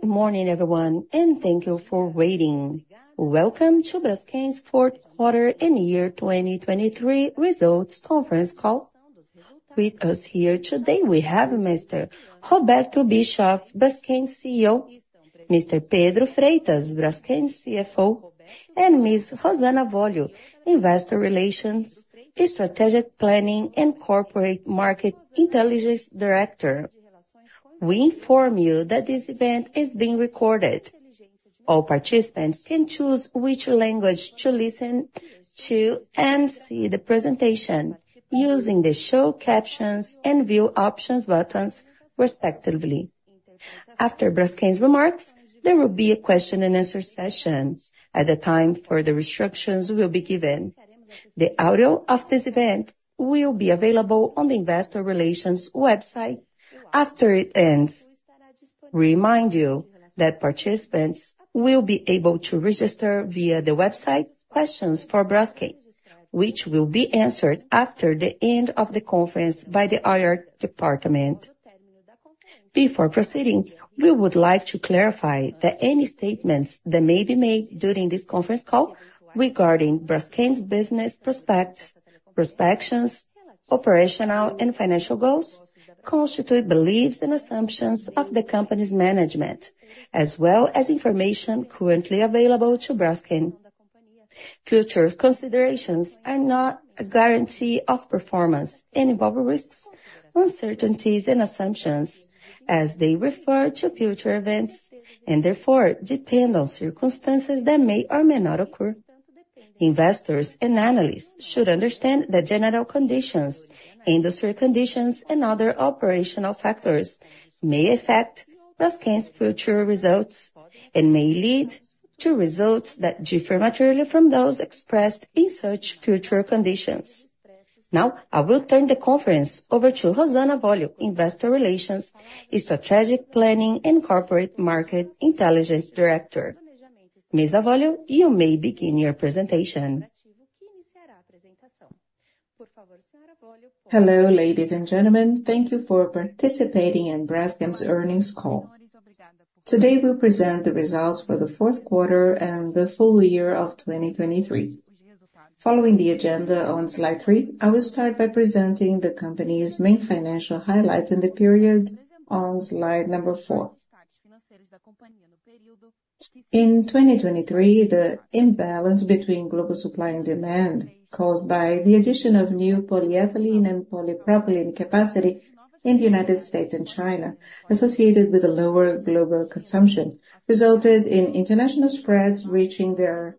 Good morning, everyone, and thank you for waiting. Welcome to Braskem's fourth quarter and year 2023 results conference call. With us here today we have Mr. Roberto Bischoff, Braskem CEO, Mr. Pedro Freitas, Braskem CFO, and Ms. Rosana Avolio, Investor Relations, Strategic Planning and Corporate Market Intelligence Director. We inform you that this event is being recorded. All participants can choose which language to listen to and see the presentation using the show captions and view options buttons, respectively. After Braskem's remarks, there will be a question-and-answer session at the time for the restrictions will be given. The audio of this event will be available on the Investor Relations website after it ends. We remind you that participants will be able to register via the website Questions for Braskem, which will be answered after the end of the conference by the IR department. Before proceeding, we would like to clarify that any statements that may be made during this conference call regarding Braskem's business prospects, prospections, operational and financial goals constitute beliefs and assumptions of the company's management, as well as information currently available to Braskem. Future considerations are not a guarantee of performance and involve risks, uncertainties, and assumptions as they refer to future events and therefore depend on circumstances that may or may not occur. Investors and analysts should understand that general conditions, industry conditions, and other operational factors may affect Braskem's future results and may lead to results that differ materially from those expressed in such future conditions. Now I will turn the conference over to Rosana Avolio, Investor Relations, Strategic Planning and Corporate Market Intelligence Director. Ms. Avolio, you may begin your presentation. Hello, ladies and gentlemen. Thank you for participating in Braskem's earnings call. Today we present the results for the fourth quarter and the full year of 2023. Following the agenda on slide three, I will start by presenting the company's main financial highlights in the period on slide number four. In 2023, the imbalance between global supply and demand caused by the addition of new polyethylene and polypropylene capacity in the United States and China, associated with lower global consumption, resulted in international spreads reaching their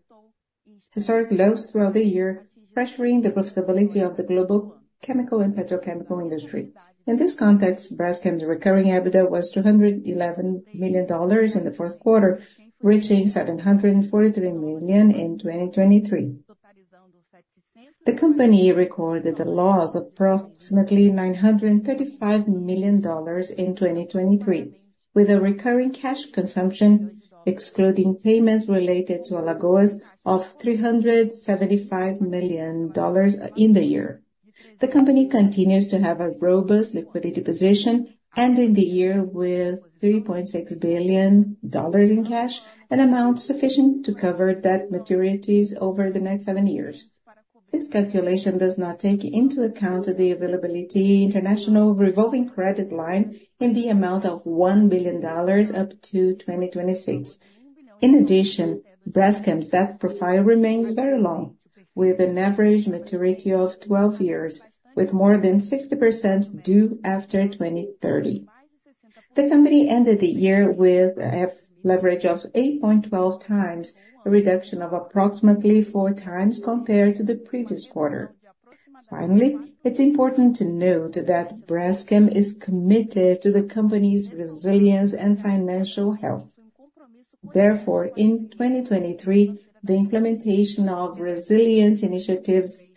historic lows throughout the year, pressuring the profitability of the global chemical and petrochemical industry. In this context, Braskem's recurring EBITDA was $211 million in the fourth quarter, reaching $743 million in 2023. The company recorded a loss of approximately $935 million in 2023, with recurring cash consumption, excluding payments related to Alagoas, of $375 million in the year. The company continues to have a robust liquidity position ending the year with $3.6 billion in cash, an amount sufficient to cover debt maturities over the next seven years. This calculation does not take into account the availability of the international revolving credit line in the amount of $1 billion up to 2026. In addition, Braskem's debt profile remains very long, with an average maturity of 12 years, with more than 60% due after 2030. The company ended the year with a leverage of 8.12x, a reduction of approximately 4x compared to the previous quarter. Finally, it's important to note that Braskem is committed to the company's resilience and financial health. Therefore, in 2023, the implementation of resilience initiatives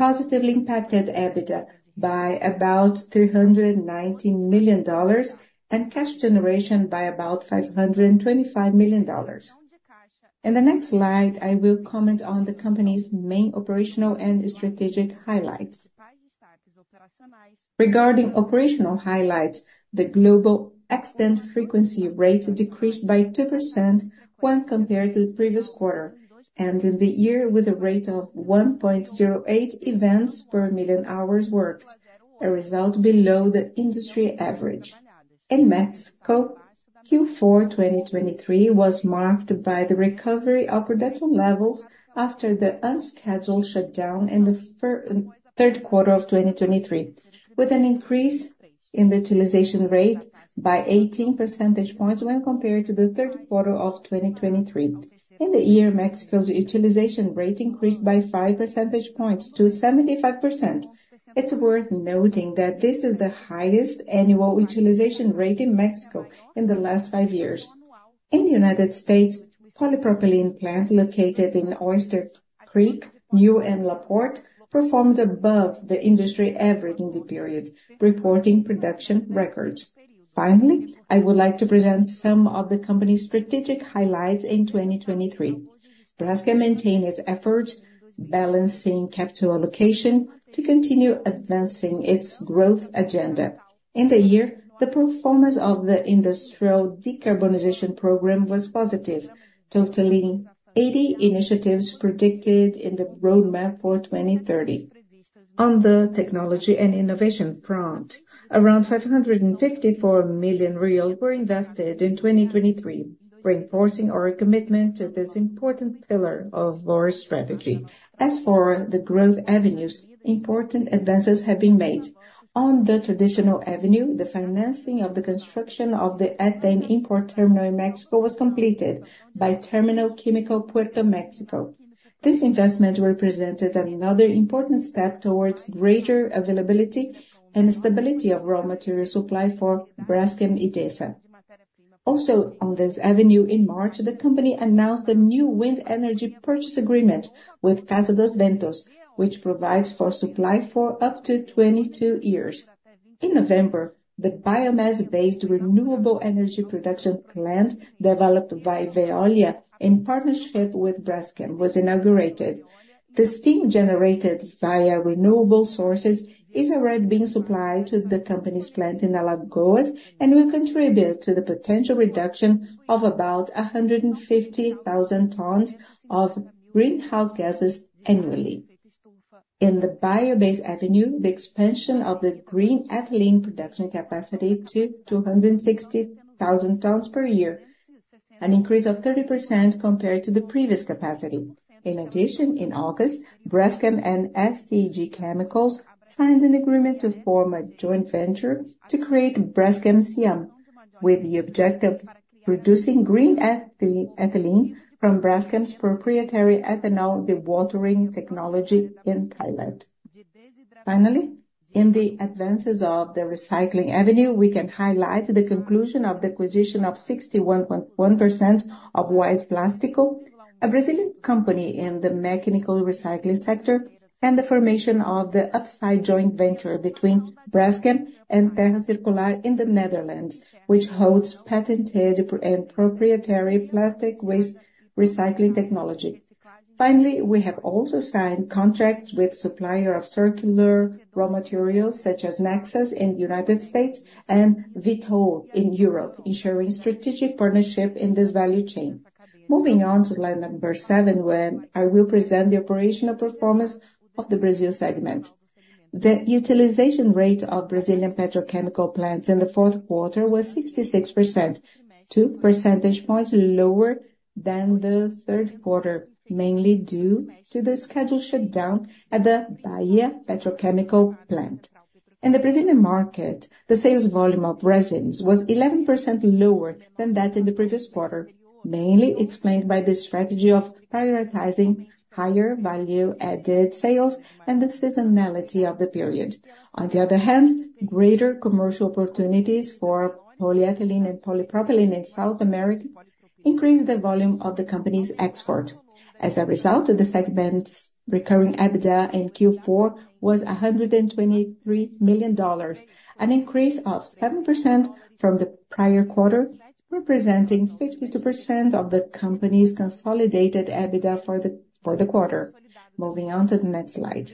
positively impacted EBITDA by about $390 million and cash generation by about $525 million. In the next slide, I will comment on the company's main operational and strategic highlights. Regarding operational highlights, the global accident frequency rate decreased by 2% when compared to the previous quarter and in the year with a rate of 1.08 events per million hours worked, a result below the industry average. In Mexico, Q4 2023 was marked by the recovery of production levels after the unscheduled shutdown in the third quarter of 2023, with an increase in the utilization rate by 18 percentage points when compared to the third quarter of 2023. In the year, Mexico's utilization rate increased by 5 percentage points to 75%. It's worth noting that this is the highest annual utilization rate in Mexico in the last five years. In the United States, polypropylene plants located in Oyster Creek, Neal and La Porte performed above the industry average in the period, reporting production records. Finally, I would like to present some of the company's strategic highlights in 2023. Braskem maintained its efforts balancing capital allocation to continue advancing its growth agenda. In the year, the performance of the industrial decarbonization program was positive, totaling 80 initiatives predicted in the roadmap for 2030. On the technology and innovation front, 554 million real were invested in 2023, reinforcing our commitment to this important pillar of our strategy. As for the growth avenues, important advances have been made. On the traditional avenue, the financing of the construction of the ethane import terminal in Mexico was completed by Terminal Química Puerto México. This investment represented another important step towards greater availability and stability of raw material supply for Braskem Idesa. Also, on this avenue, in March, the company announced a new wind energy purchase agreement with Casa dos Ventos, which provides for supply for up to 22 years. In November, the biomass-based renewable energy production plant developed by Veolia in partnership with Braskem was inaugurated. The steam generated via renewable sources is already being supplied to the company's plant in Alagoas and will contribute to the potential reduction of about 150,000 tons of greenhouse gases annually. In the bio-based avenue, the expansion of the green ethylene production capacity to 260,000 tons per year, an increase of 30% compared to the previous capacity. In addition, in August, Braskem and SCG Chemicals signed an agreement to form a joint venture to create Braskem Siam, with the objective of producing green ethylene from Braskem's proprietary ethanol, the watering technology in Thailand. Finally, in the advances of the recycling avenue, we can highlight the conclusion of the acquisition of 61.1% of Wise Plásticos, a Brazilian company in the mechanical recycling sector, and the formation of the Upsyde joint venture between Braskem and Terra Circular in the Netherlands, which holds patented and proprietary plastic waste recycling technology. Finally, we have also signed contracts with suppliers of circular raw materials such as Nexus in the United States and Vitol in Europe, ensuring strategic partnership in this value chain. Moving on to slide number seven, where I will present the operational performance of the Brazil segment. The utilization rate of Brazilian petrochemical plants in the fourth quarter was 66%, two percentage points lower than the third quarter, mainly due to the scheduled shutdown at the Bahia petrochemical plant. In the Brazilian market, the sales volume of resins was 11% lower than that in the previous quarter, mainly explained by the strategy of prioritizing higher value-added sales and the seasonality of the period. On the other hand, greater commercial opportunities for polyethylene and polypropylene in South America increased the volume of the company's export. As a result, the segment's recurring EBITDA in Q4 was $123 million, an increase of 7% from the prior quarter, representing 52% of the company's consolidated EBITDA for the quarter. Moving on to the next slide.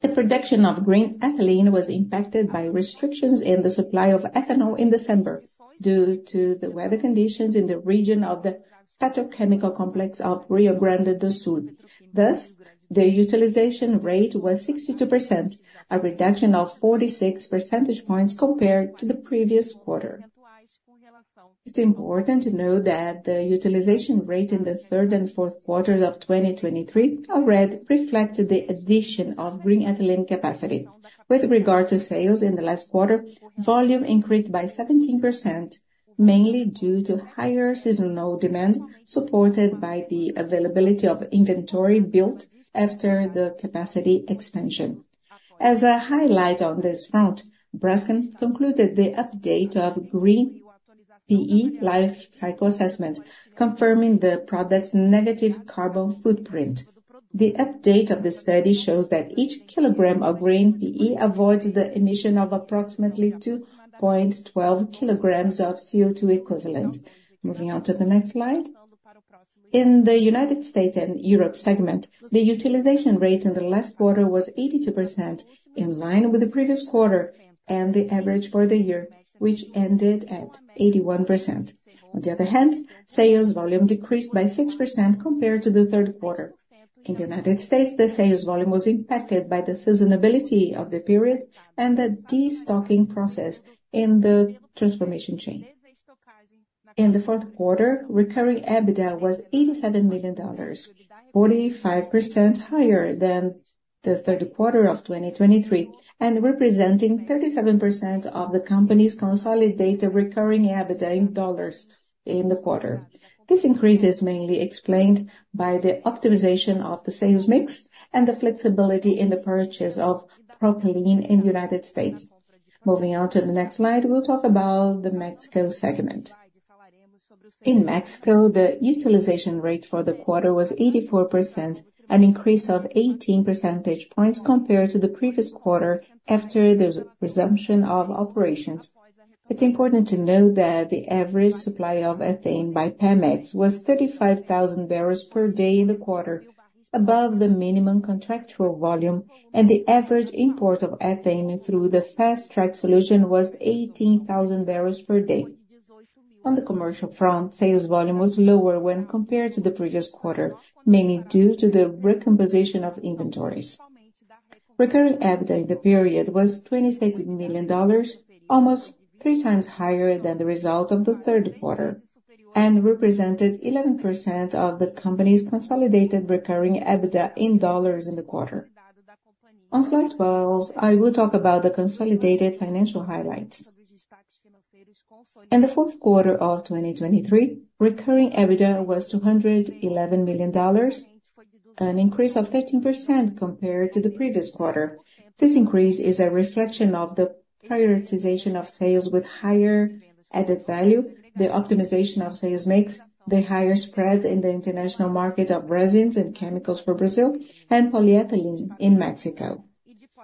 The production of green ethylene was impacted by restrictions in the supply of ethanol in December due to the weather conditions in the region of the petrochemical complex of Rio Grande do Sul. Thus, the utilization rate was 62%, a reduction of 46 percentage points compared to the previous quarter. It's important to note that the utilization rate in the third and fourth quarters of 2023 already reflected the addition of green ethylene capacity. With regard to sales in the last quarter, volume increased by 17%, mainly due to higher seasonal demand supported by the availability of inventory built after the capacity expansion. As a highlight on this front, Braskem concluded the update of green PE life cycle assessment, confirming the product's negative carbon footprint. The update of the study shows that each kilogram of green PE avoids the emission of approximately 2.12 kg of CO2 equivalent. Moving on to the next slide. In the United States and Europe segment, the utilization rate in the last quarter was 82%, in line with the previous quarter and the average for the year, which ended at 81%. On the other hand, sales volume decreased by 6% compared to the third quarter. In the United States, the sales volume was impacted by the seasonality of the period and the destocking process in the transformation chain. In the fourth quarter, recurring EBITDA was $87 million, 45% higher than the third quarter of 2023, and representing 37% of the company's consolidated recurring EBITDA in dollars in the quarter. This increase is mainly explained by the optimization of the sales mix and the flexibility in the purchase of propylene in the United States. Moving on to the next slide, we'll talk about the Mexico segment. In Mexico, the utilization rate for the quarter was 84%, an increase of 18 percentage points compared to the previous quarter after the resumption of operations. It's important to note that the average supply of ethane by PEMEX was 35,000 barrels per day in the quarter, above the minimum contractual volume, and the average import of ethane through the Fast Track solution was 18,000 barrels per day. On the commercial front, sales volume was lower when compared to the previous quarter, mainly due to the recomposition of inventories. Recurring EBITDA in the period was $26 million, almost 3x higher than the result of the third quarter, and represented 11% of the company's consolidated recurring EBITDA in dollars in the quarter. On slide 12, I will talk about the consolidated financial highlights. In the fourth quarter of 2023, recurring EBITDA was $211 million, an increase of 13% compared to the previous quarter. This increase is a reflection of the prioritization of sales with higher added value, the optimization of sales mix, the higher spreads in the international market of resins and chemicals for Brazil, and polyethylene in Mexico.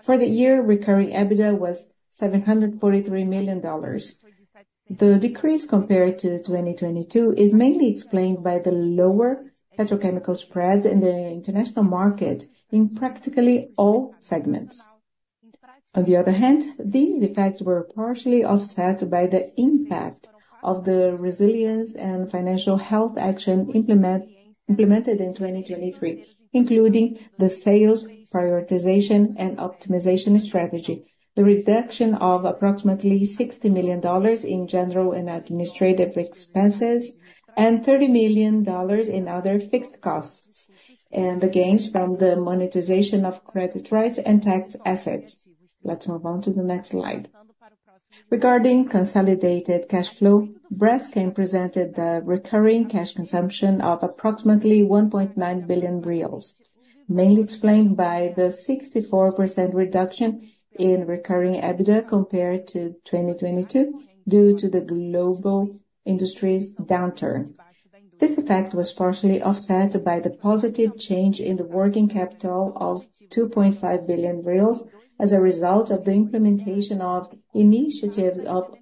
For the year, recurring EBITDA was $743 million. The decrease compared to 2022 is mainly explained by the lower petrochemical spreads in the international market in practically all segments. On the other hand, these effects were partially offset by the impact of the resilience and financial health action implemented in 2023, including the sales prioritization and optimization strategy, the reduction of approximately $60 million in general and administrative expenses, and $30 million in other fixed costs, and the gains from the monetization of credit rights and tax assets. Let's move on to the next slide. Regarding consolidated cash flow, Braskem presented the recurring cash consumption of approximately 1.9 billion reais, mainly explained by the 64% reduction in recurring EBITDA compared to 2022 due to the global industry's downturn. This effect was partially offset by the positive change in the working capital of 2.5 billion reais as a result of the implementation of initiatives of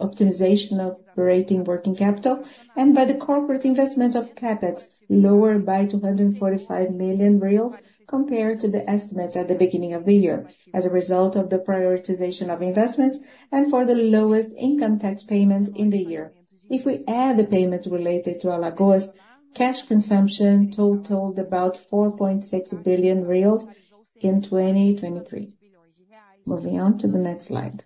optimization of operating working capital and by the corporate investment of CapEx, lower by 245 million reais compared to the estimate at the beginning of the year as a result of the prioritization of investments and for the lowest income tax payment in the year. If we add the payments related to Alagoas, cash consumption totaled about 4.6 billion reais in 2023. Moving on to the next slide.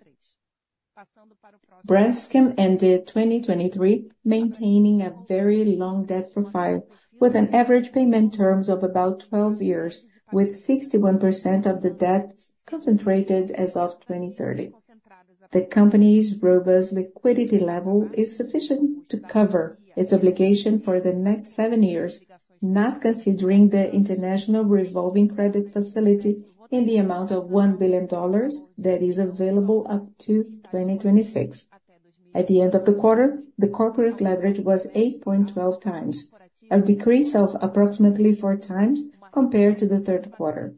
Braskem ended 2023 maintaining a very long debt profile with an average payment term of about 12 years, with 61% of the debt concentrated as of 2030. The company's robust liquidity level is sufficient to cover its obligation for the next 7 years, not considering the international revolving credit facility in the amount of $1 billion that is available up to 2026. At the end of the quarter, the corporate leverage was 8.12x, a decrease of approximately 4x compared to the third quarter.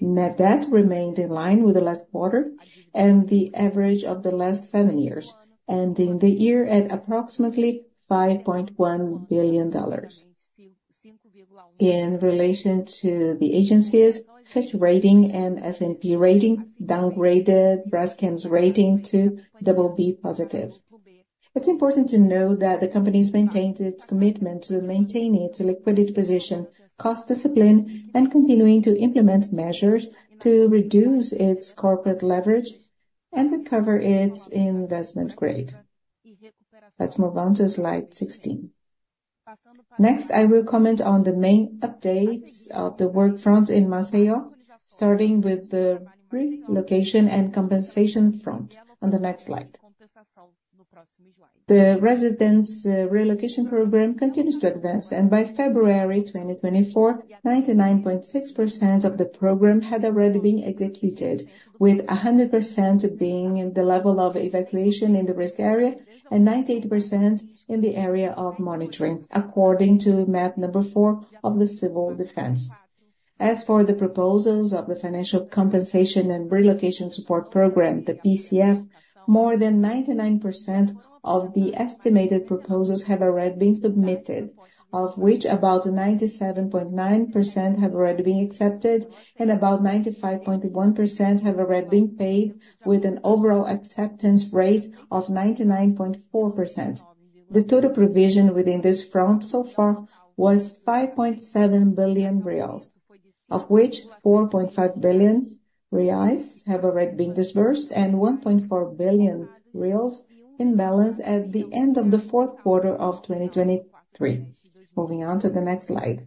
Net debt remained in line with the last quarter and the average of the last 7 years, ending the year at approximately $5.1 billion. In relation to the agencies' Fitch rating and S&P rating, downgraded Braskem's rating to BB positive. It's important to note that the company has maintained its commitment to maintaining its liquidity position, cost discipline, and continuing to implement measures to reduce its corporate leverage and recover its Investment Grade. Let's move on to slide 16. Next, I will comment on the main updates of the work front in Maceió, starting with the relocation and compensation front on the next slide. The residents' relocation program continues to advance, and by February 2024, 99.6% of the program had already been executed, with 100% being the level of evacuation in the risk area and 98% in the area of monitoring, according to map number four of the civil defense. As for the proposals of the financial compensation and relocation support program, the PCF, more than 99% of the estimated proposals have already been submitted, of which about 97.9% have already been accepted and about 95.1% have already been paid, with an overall acceptance rate of 99.4%. The total provision within this front so far was 5.7 billion reais, of which 4.5 billion reais have already been disbursed and 1.4 billion reais in balance at the end of the fourth quarter of 2023. Moving on to the next slide.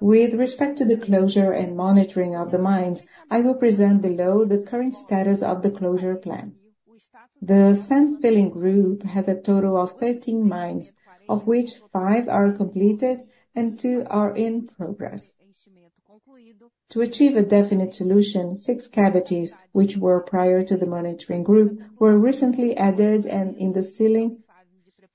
With respect to the closure and monitoring of the mines, I will present below the current status of the closure plan. The sand filling group has a total of 13 mines, of which five are completed and two are in progress. To achieve a definite solution, six cavities, which were prior to the monitoring group, were recently added and in the ceiling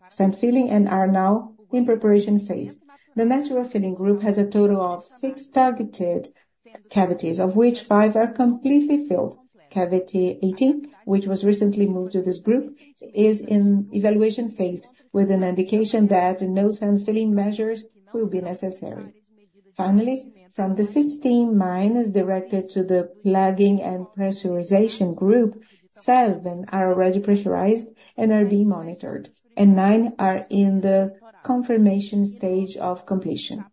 sand filling and are now in preparation phase. The natural filling group has a total of six targeted cavities, of which five are completely filled. Cavity 18, which was recently moved to this group, is in evaluation phase, with an indication that no sand filling measures will be necessary. Finally, from the 16 mines directed to the plugging and pressurization group, seven are already pressurized and are being monitored, and nine are in the confirmation stage of completion.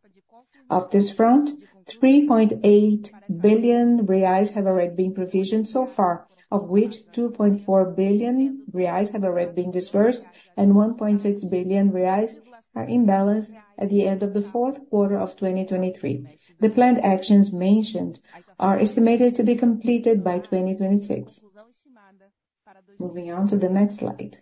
Of this front, 3.8 billion reais have already been provisioned so far, of which 2.4 billion reais have already been disbursed and 1.6 billion reais are in balance at the end of the fourth quarter of 2023. The planned actions mentioned are estimated to be completed by 2026. Moving on to the next slide.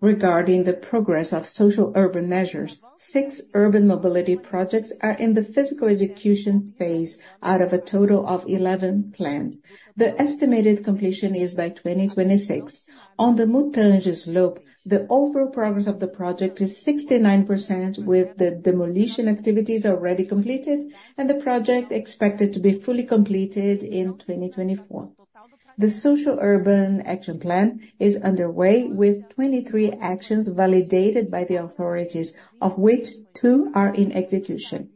Regarding the progress of social urban measures, six urban mobility projects are in the physical execution phase out of a total of 11 planned. The estimated completion is by 2026. On the Mutange slope, the overall progress of the project is 69%, with the demolition activities already completed and the project expected to be fully completed in 2024. The social urban action plan is underway, with 23 actions validated by the authorities, of which two are in execution.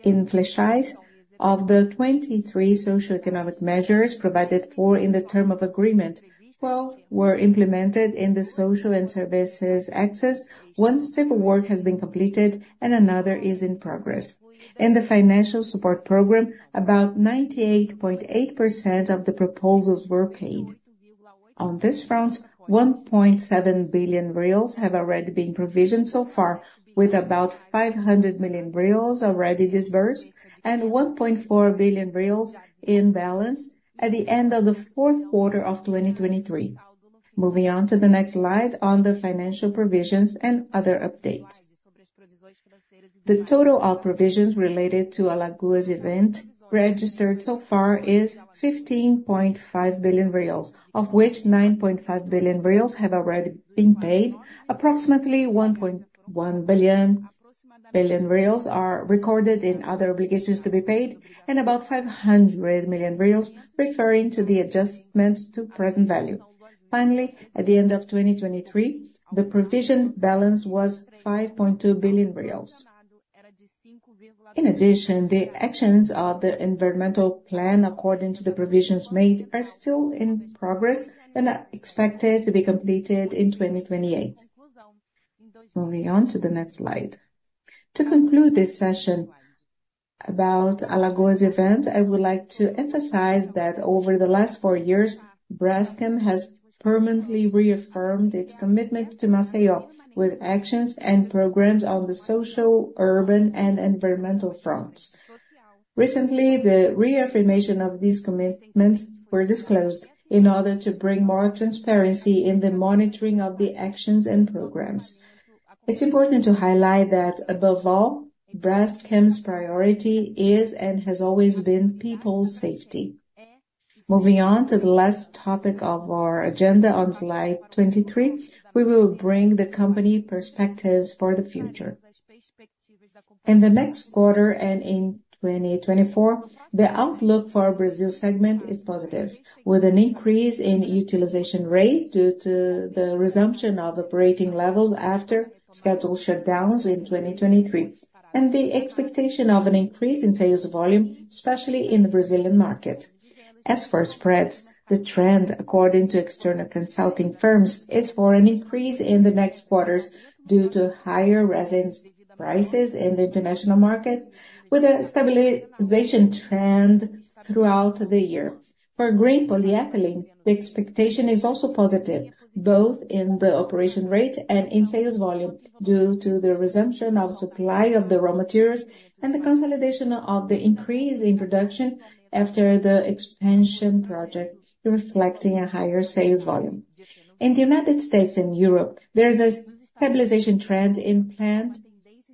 In Flexais, of the 23 socioeconomic measures provided for in the term of agreement, 12 were implemented in the social and services access. One step of work has been completed, and another is in progress. In the financial support program, about 98.8% of the proposals were paid. On this front, 1.7 billion reais have already been provisioned so far, with about 500 million reais already disbursed and 1.4 billion reais in balance at the end of the fourth quarter of 2023. Moving on to the next slide on the financial provisions and other updates. The total of provisions related to Alagoas event registered so far is 15.5 billion reais, of which 9.5 billion reais have already been paid. Approximately 1.1 billion are recorded in other obligations to be paid and about 500 million reais referring to the adjustment to present value. Finally, at the end of 2023, the provisioned balance was 5.2 billion reais. In addition, the actions of the environmental plan, according to the provisions made, are still in progress and are expected to be completed in 2028. Moving on to the next slide. To conclude this session about Alagoas event, I would like to emphasize that over the last four years, Braskem has permanently reaffirmed its commitment to Maceió with actions and programs on the social, urban, and environmental fronts. Recently, the reaffirmation of these commitments was disclosed in order to bring more transparency in the monitoring of the actions and programs. It's important to highlight that above all, Braskem's priority is and has always been people's safety. Moving on to the last topic of our agenda on slide 23, we will bring the company perspectives for the future. In the next quarter and in 2024, the outlook for Brazil segment is positive, with an increase in utilization rate due to the resumption of operating levels after scheduled shutdowns in 2023 and the expectation of an increase in sales volume, especially in the Brazilian market. As for spreads, the trend, according to external consulting firms, is for an increase in the next quarters due to higher resins prices in the international market, with a stabilization trend throughout the year. For green polyethylene, the expectation is also positive, both in the operation rate and in sales volume, due to the resumption of supply of the raw materials and the consolidation of the increase in production after the expansion project reflecting a higher sales volume. In the United States and Europe, there is a stabilization trend in plant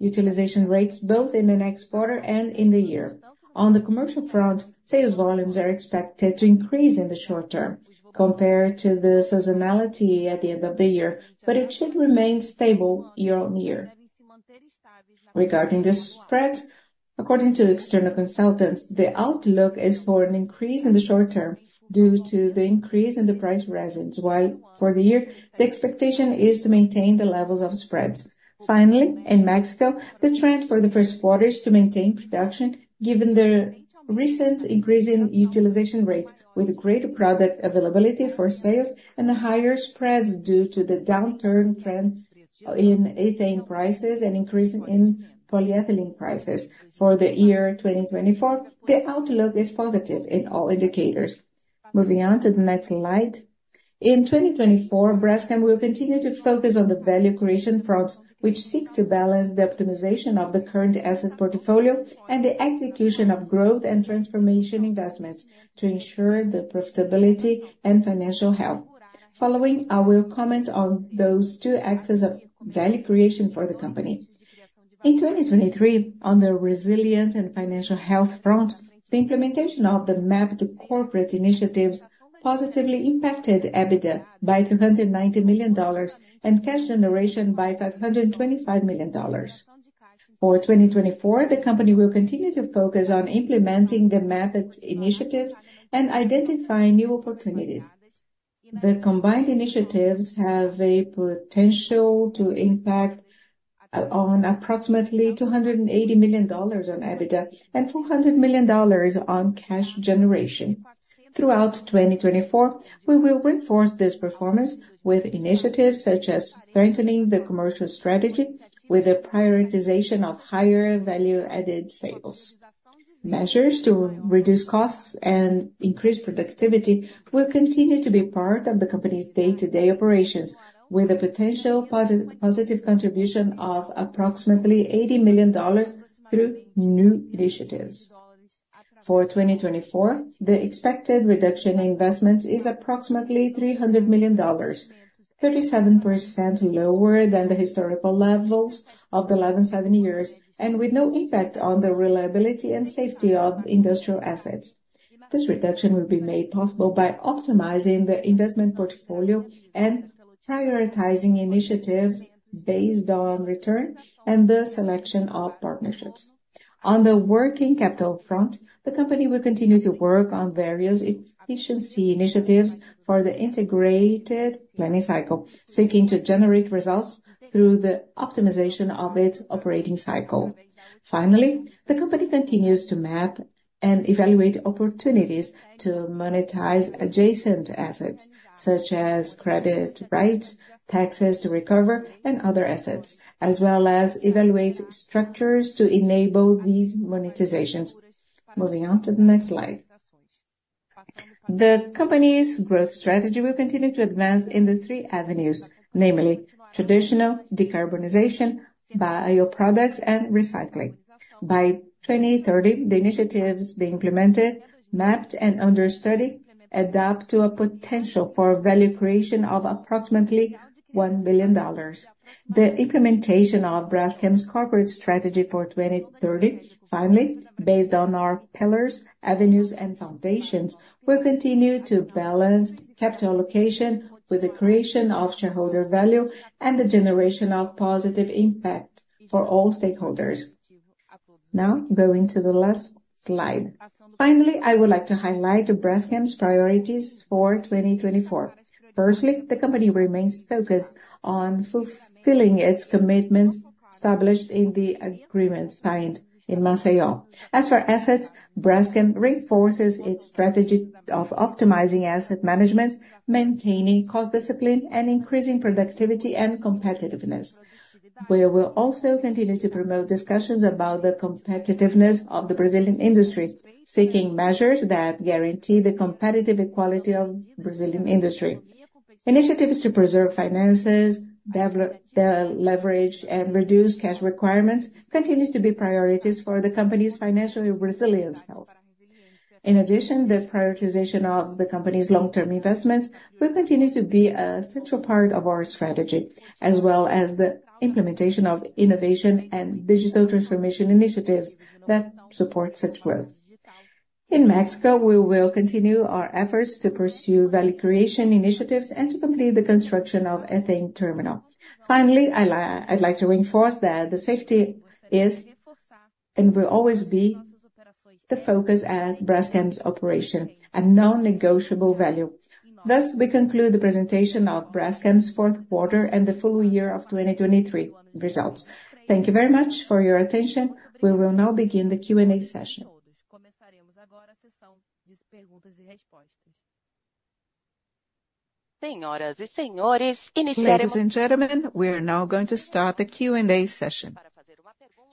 utilization rates, both in the next quarter and in the year. On the commercial front, sales volumes are expected to increase in the short term compared to the seasonality at the end of the year, but it should remain stable year-on-year. Regarding the spreads, according to external consultants, the outlook is for an increase in the short term due to the increase in the price resins, while for the year, the expectation is to maintain the levels of spreads. Finally, in Mexico, the trend for the first quarter is to maintain production given the recent increase in utilization rate, with greater product availability for sales and the higher spreads due to the downturn trend in ethane prices and increase in polyethylene prices. For the year 2024, the outlook is positive in all indicators. Moving on to the next slide. In 2024, Braskem will continue to focus on the value creation fronts, which seek to balance the optimization of the current asset portfolio and the execution of growth and transformation investments to ensure the profitability and financial health. Following, I will comment on those two axes of value creation for the company. In 2023, on the resilience and financial health front, the implementation of the map to corporate initiatives positively impacted EBITDA by $290 million and cash generation by $525 million. For 2024, the company will continue to focus on implementing the map initiatives and identifying new opportunities. The combined initiatives have a potential to impact on approximately $280 million on EBITDA and $400 million on cash generation. Throughout 2024, we will reinforce this performance with initiatives such as strengthening the commercial strategy with the prioritization of higher value-added sales. Measures to reduce costs and increase productivity will continue to be part of the company's day-to-day operations, with a potential positive contribution of approximately $80 million through new initiatives. For 2024, the expected reduction in investments is approximately $300 million, 37% lower than the historical levels of the last seven years and with no impact on the reliability and safety of industrial assets. This reduction will be made possible by optimizing the investment portfolio and prioritizing initiatives based on return and the selection of partnerships. On the working capital front, the company will continue to work on various efficiency initiatives for the integrated planning cycle, seeking to generate results through the optimization of its operating cycle. Finally, the company continues to map and evaluate opportunities to monetize adjacent assets, such as credit rights, taxes to recover, and other assets, as well as evaluate structures to enable these monetizations. Moving on to the next slide. The company's growth strategy will continue to advance in the three avenues, namely traditional decarbonization, bioproducts, and recycling. By 2030, the initiatives being implemented, mapped, and understudied adapt to a potential for value creation of approximately $1 billion. The implementation of Braskem's corporate strategy for 2030, finally, based on our pillars, avenues, and foundations, will continue to balance capital allocation with the creation of shareholder value and the generation of positive impact for all stakeholders. Now, going to the last slide. Finally, I would like to highlight Braskem's priorities for 2024. Firstly, the company remains focused on fulfilling its commitments established in the agreements signed in Maceió. As for assets, Braskem reinforces its strategy of optimizing asset management, maintaining cost discipline, and increasing productivity and competitiveness. We will also continue to promote discussions about the competitiveness of the Brazilian industry, seeking measures that guarantee the competitive equality of the Brazilian industry. Initiatives to preserve finances, leverage, and reduce cash requirements continue to be priorities for the company's financial resilience health. In addition, the prioritization of the company's long-term investments will continue to be a central part of our strategy, as well as the implementation of innovation and digital transformation initiatives that support such growth. In Mexico, we will continue our efforts to pursue value creation initiatives and to complete the construction of ethane terminal. Finally, I'd like to reinforce that the safety is and will always be the focus at Braskem's operation, a non-negotiable value. Thus, we conclude the presentation of Braskem's fourth quarter and the full year of 2023 results. Thank you very much for your attention. We will now begin the Q&A session. Ladies and gentlemen, we are now going to start the Q&A session.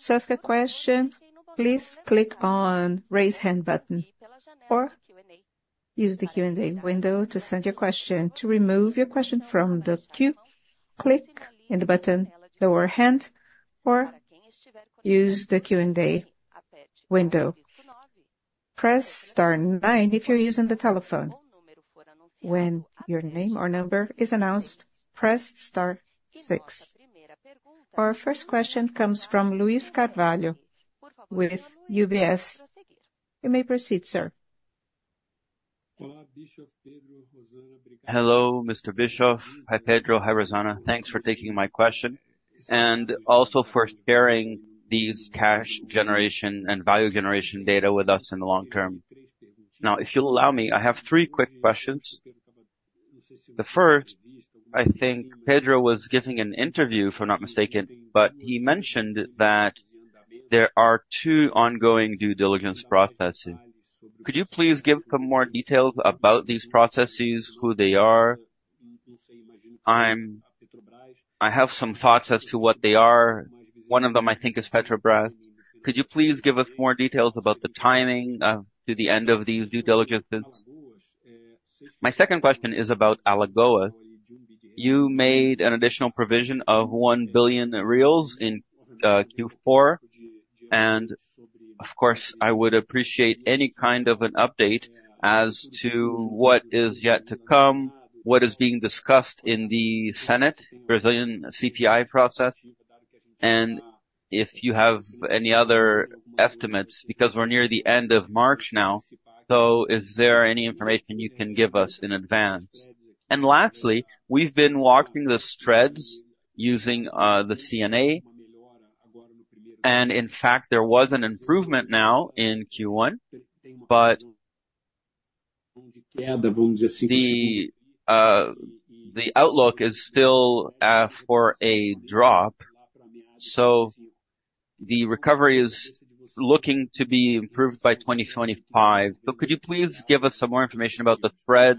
Ask a question, please click on the raise hand button or use the Q&A window to send your question. To remove your question from the queue, click on the button, lower hand, or use the Q&A window. Press star nine if you're using the telephone. When your name or number is announced, press star six. Our first question comes from Luiz Carvalho with UBS. You may proceed, sir. Hello, Mr. Bischoff. Hi, Pedro. Hi, Rosana. Thanks for taking my question and also for sharing these cash generation and value generation data with us in the long term. Now, if you'll allow me, I have three quick questions. The first, I think Pedro was giving an interview, if I'm not mistaken, but he mentioned that there are two ongoing due diligence processes. Could you please give some more details about these processes, who they are? I have some thoughts as to what they are. One of them, I think, is Petrobras. Could you please give us more details about the timing to the end of these due diligences? My second question is about Alagoas. You made an additional provision of 1 billion reais in Q4, and of course, I would appreciate any kind of an update as to what is yet to come, what is being discussed in the Senate Brazilian CPI process, and if you have any other estimates, because we're near the end of March now, so is there any information you can give us in advance? And lastly, we've been watching the spreads using the CNA, and in fact, there was an improvement now in Q1, but the outlook is still for a drop. So the recovery is looking to be improved by 2025. So could you please give us some more information about the spread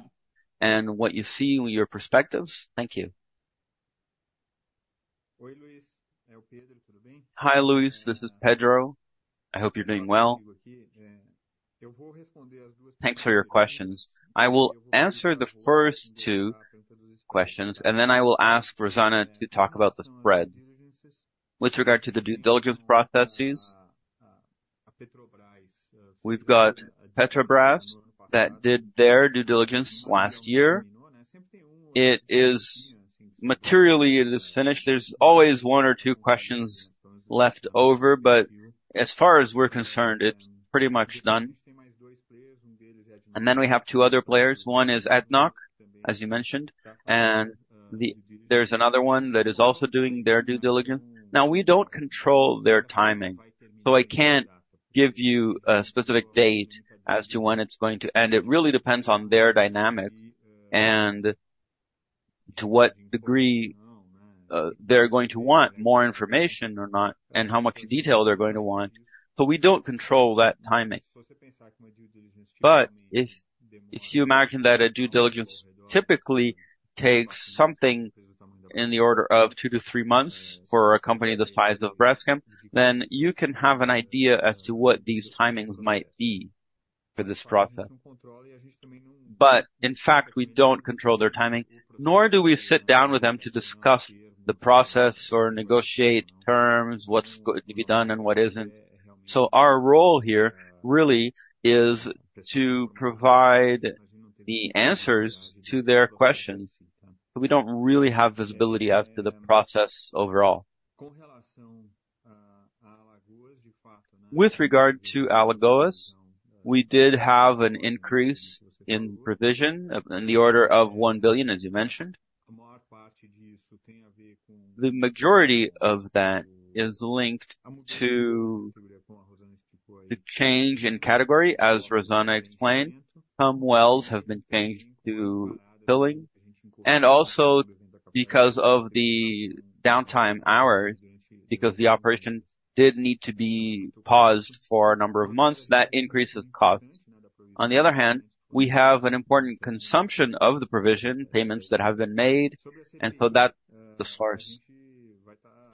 and what you see in your perspectives? Thank you. Hi, Luiz. This is Pedro. I hope you're doing well. Thanks for your questions. I will answer the first two questions, and then I will ask Rosana to talk about the spread. With regard to the due diligence processes, we've got Petrobras that did their due diligence last year. Materially, it is finished. There's always one or two questions left over, but as far as we're concerned, it's pretty much done. And then we have two other players. One is ADNOC, as you mentioned, and there's another one that is also doing their due diligence. Now, we don't control their timing, so I can't give you a specific date as to when it's going to end. It really depends on their dynamic and to what degree they're going to want more information or not and how much detail they're going to want. So we don't control that timing. But if you imagine that a due diligence typically takes something in the order of 2-3 months for a company the size of Braskem, then you can have an idea as to what these timings might be for this process. But in fact, we don't control their timing, nor do we sit down with them to discuss the process or negotiate terms, what's going to be done and what isn't. So our role here really is to provide the answers to their questions. So we don't really have visibility as to the process overall. With regard to Alagoas, we did have an increase in provision in the order of 1 billion, as you mentioned. The majority of that is linked to the change in category, as Rosana explained. Pump wells have been changed to filling, and also because of the downtime hours, because the operation did need to be paused for a number of months, that increases costs. On the other hand, we have an important consumption of the provision payments that have been made, and so that's the source.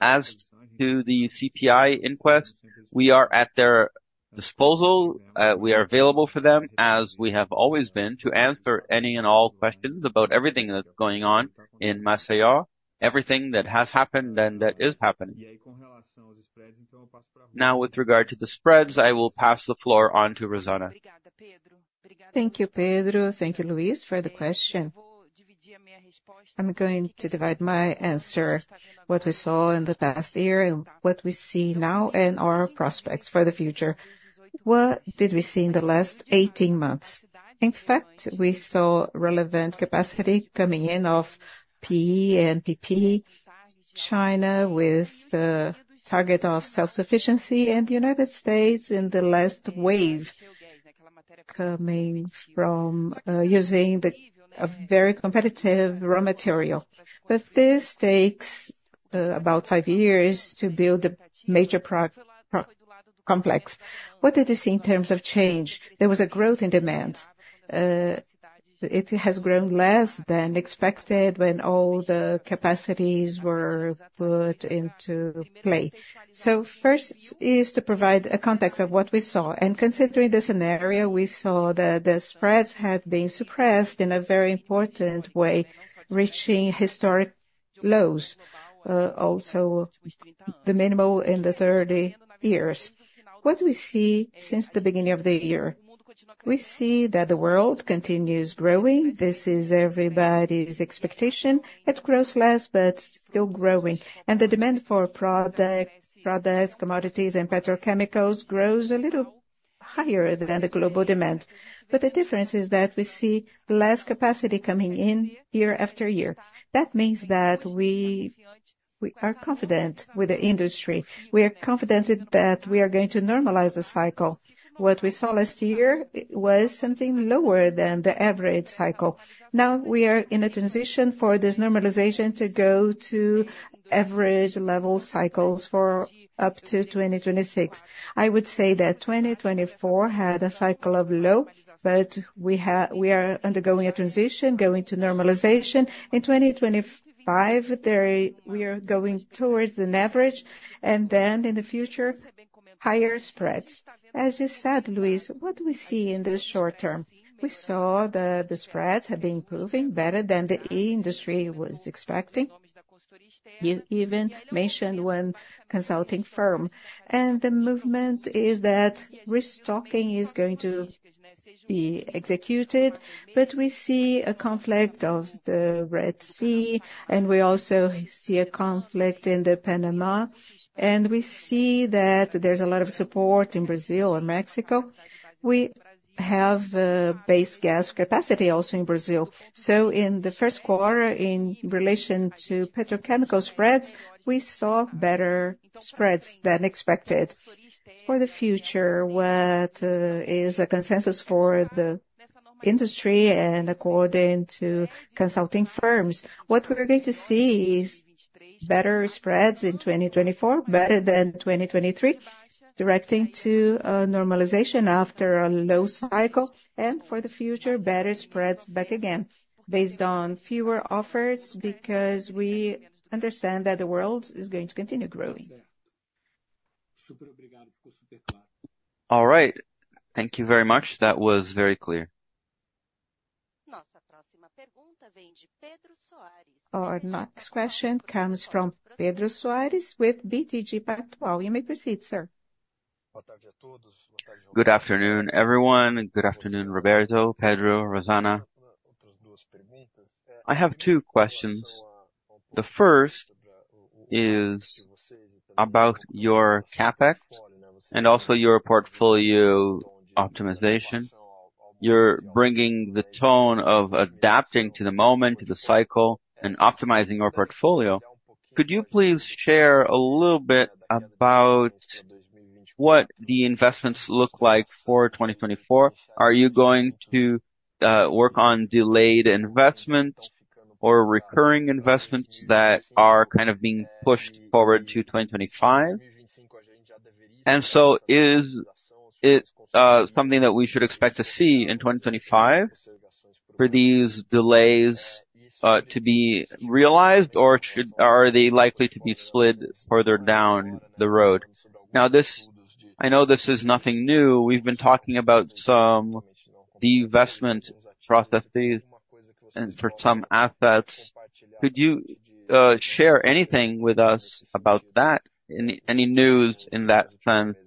As to the CPI inquest, we are at their disposal. We are available for them, as we have always been, to answer any and all questions about everything that's going on in Maceió, everything that has happened and that is happening. Now, with regard to the spreads, I will pass the floor on to Rosana. Thank you, Pedro. Thank you, Luiz, for the question. I'm going to divide my answer. What we saw in the past year and what we see now and our prospects for the future. What did we see in the last 18 months? In fact, we saw relevant capacity coming in of PE and PP, China with the target of self-sufficiency, and the United States in the last wave coming from using a very competitive raw material. But this takes about five years to build a major complex. What did you see in terms of change? There was a growth in demand. It has grown less than expected when all the capacities were put into play. So first is to provide a context of what we saw. Considering the scenario, we saw that the spreads had been suppressed in a very important way, reaching historic lows, also the minimum in the 30 years. What do we see since the beginning of the year? We see that the world continues growing. This is everybody's expectation. It grows less, but still growing. And the demand for products, commodities, and petrochemicals grows a little higher than the global demand. But the difference is that we see less capacity coming in year after year. That means that we are confident with the industry. We are confident that we are going to normalize the cycle. What we saw last year was something lower than the average cycle. Now, we are in a transition for this normalization to go to average-level cycles for up to 2026. I would say that 2024 had a cycle of low, but we are undergoing a transition, going to normalization. In 2025, we are going towards the average, and then in the future, higher spreads. As you said, Luiz, what do we see in the short term? We saw that the spreads have been improving better than the industry was expecting. You even mentioned one consulting firm. And the movement is that restocking is going to be executed, but we see a conflict of the Red Sea, and we also see a conflict in the Panama. And we see that there's a lot of support in Brazil and Mexico. We have base gas capacity also in Brazil. So in the first quarter, in relation to petrochemical spreads, we saw better spreads than expected. For the future, what is a consensus for the industry and according to consulting firms? What we're going to see is better spreads in 2024, better than 2023, directing to normalization after a low cycle, and for the future, better spreads back again, based on fewer offers because we understand that the world is going to continue growing. All right. Thank you very much. That was very clear. Our next question comes from Pedro Soares with BTG Pactual. You may proceed, sir. Good afternoon, everyone. Good afternoon, Roberto, Pedro, Rosana. I have two questions. The first is about your CapEx and also your portfolio optimization. You're bringing the tone of adapting to the moment, to the cycle, and optimizing your portfolio. Could you please share a little bit about what the investments look like for 2024? Are you going to work on delayed investments or recurring investments that are kind of being pushed forward to 2025? And so is it something that we should expect to see in 2025 for these delays to be realized, or are they likely to be split further down the road? Now, I know this is nothing new. We've been talking about some deinvestment processes for some assets. Could you share anything with us about that, any news in that sense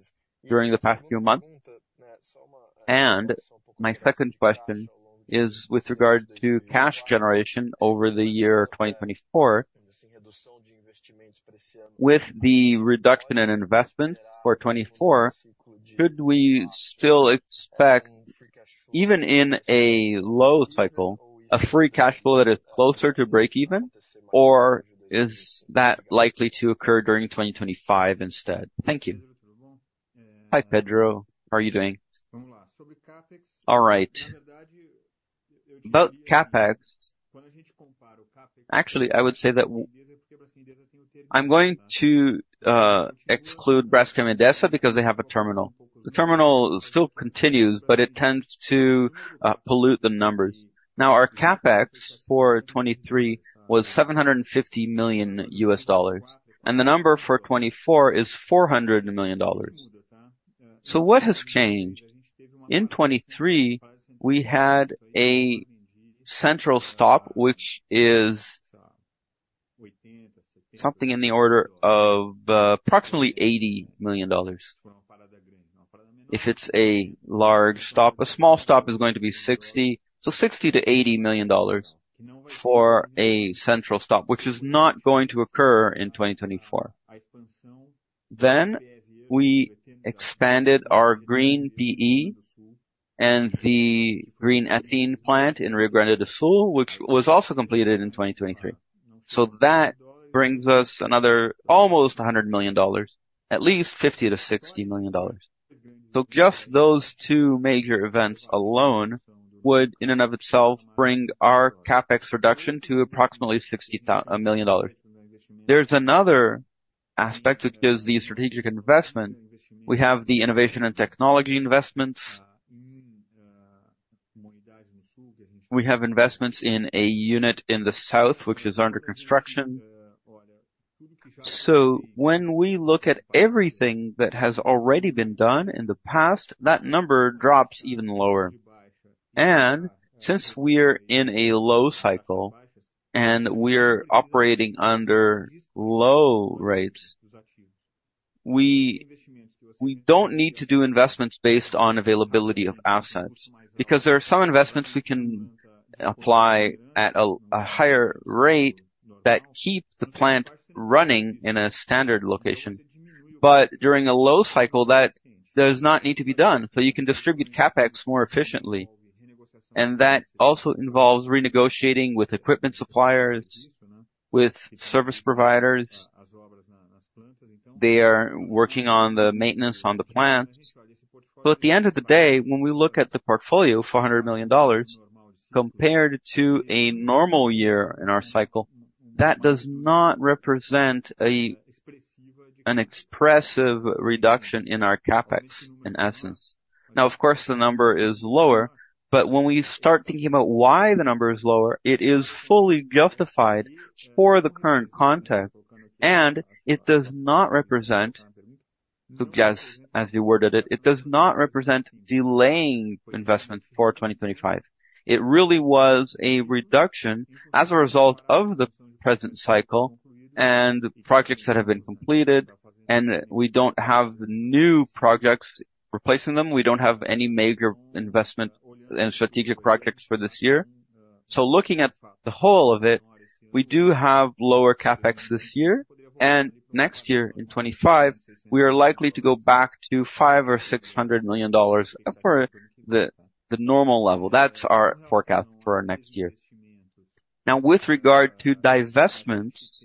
during the past few months? My second question is with regard to cash generation over the year 2024. With the reduction in investment for 2024, should we still expect, even in a low cycle, a free cash flow that is closer to break-even, or is that likely to occur during 2025 instead? Thank you. Hi, Pedro. How are you doing? All right. About CapEx, actually, I would say that I'm going to exclude Braskem and Idesa because they have a terminal. The terminal still continues, but it tends to pollute the numbers. Now, our CapEx for 2023 was $750 million, and the number for 2024 is $400 million. So what has changed? In 2023, we had a central stop, which is something in the order of approximately $80 million. If it's a large stop, a small stop is going to be $60 million, so $60 million-$80 million for a central stop, which is not going to occur in 2024. Then we expanded our green PE and the green ethylene plant in Rio Grande do Sul, which was also completed in 2023. So that brings us another almost $100 million, at least $50 million-$60 million. So just those two major events alone would, in and of itself, bring our CapEx reduction to approximately $60 million. There's another aspect which is the strategic investment. We have the innovation and technology investments. We have investments in a unit in the south, which is under construction. So when we look at everything that has already been done in the past, that number drops even lower. Since we're in a low cycle and we're operating under low rates, we don't need to do investments based on availability of assets because there are some investments we can apply at a higher rate that keep the plant running in a standard location. During a low cycle, that does not need to be done. You can distribute CapEx more efficiently. That also involves renegotiating with equipment suppliers, with service providers. They are working on the maintenance on the plant. At the end of the day, when we look at the portfolio, $400 million, compared to a normal year in our cycle, that does not represent an expressive reduction in our CapEx, in essence. Now, of course, the number is lower, but when we start thinking about why the number is lower, it is fully justified for the current context, and it does not represent, as you worded it, it does not represent delaying investments for 2025. It really was a reduction as a result of the present cycle and projects that have been completed, and we don't have new projects replacing them. We don't have any major investment and strategic projects for this year. So looking at the whole of it, we do have lower CapEx this year, and next year, in 2025, we are likely to go back to $500 million or $600 million for the normal level. That's our forecast for our next year. Now, with regard to divestments,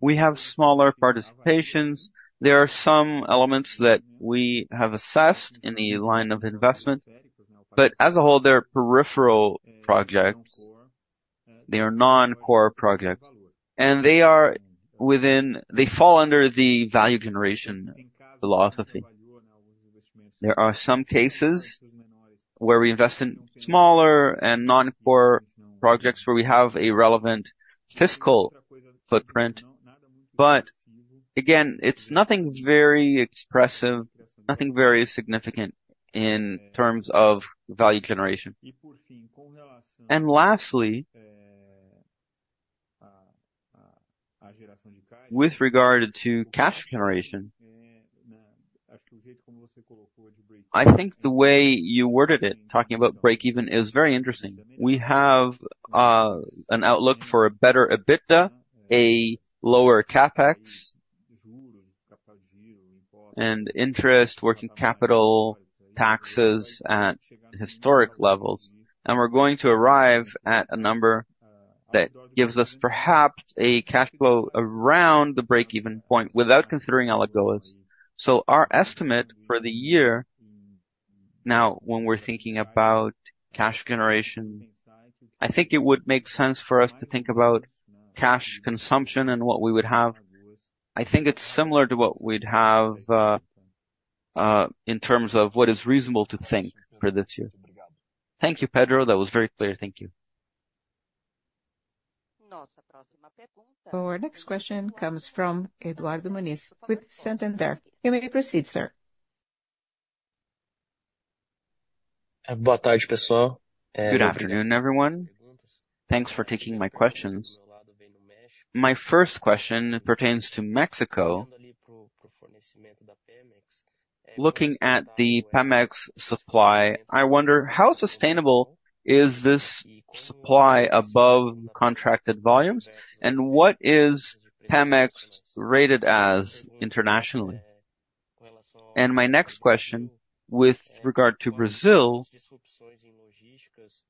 we have smaller participations. There are some elements that we have assessed in the line of investment, but as a whole, they're peripheral projects. They are non-core projects, and they fall under the value generation philosophy. There are some cases where we invest in smaller and non-core projects where we have a relevant fiscal footprint. But again, it's nothing very expressive, nothing very significant in terms of value generation. And lastly, with regard to cash generation, I think the way you worded it, talking about break-even, is very interesting. We have an outlook for a better EBITDA, a lower CapEx, and interest, working capital, taxes at historic levels. And we're going to arrive at a number that gives us perhaps a cash flow around the break-even point without considering allegories. So our estimate for the year now, when we're thinking about cash generation, I think it would make sense for us to think about cash consumption and what we would have. I think it's similar to what we'd have in terms of what is reasonable to think for this year. Thank you, Pedro. That was very clear. Thank you. Our next question comes from Eduardo Muniz with Santander. You may proceed, sir. Good afternoon, everyone. Thanks for taking my questions. My first question pertains to Mexico. Looking at the PEMEX supply, I wonder how sustainable is this supply above contracted volumes, and what is PEMEX rated as internationally? And my next question, with regard to Brazil,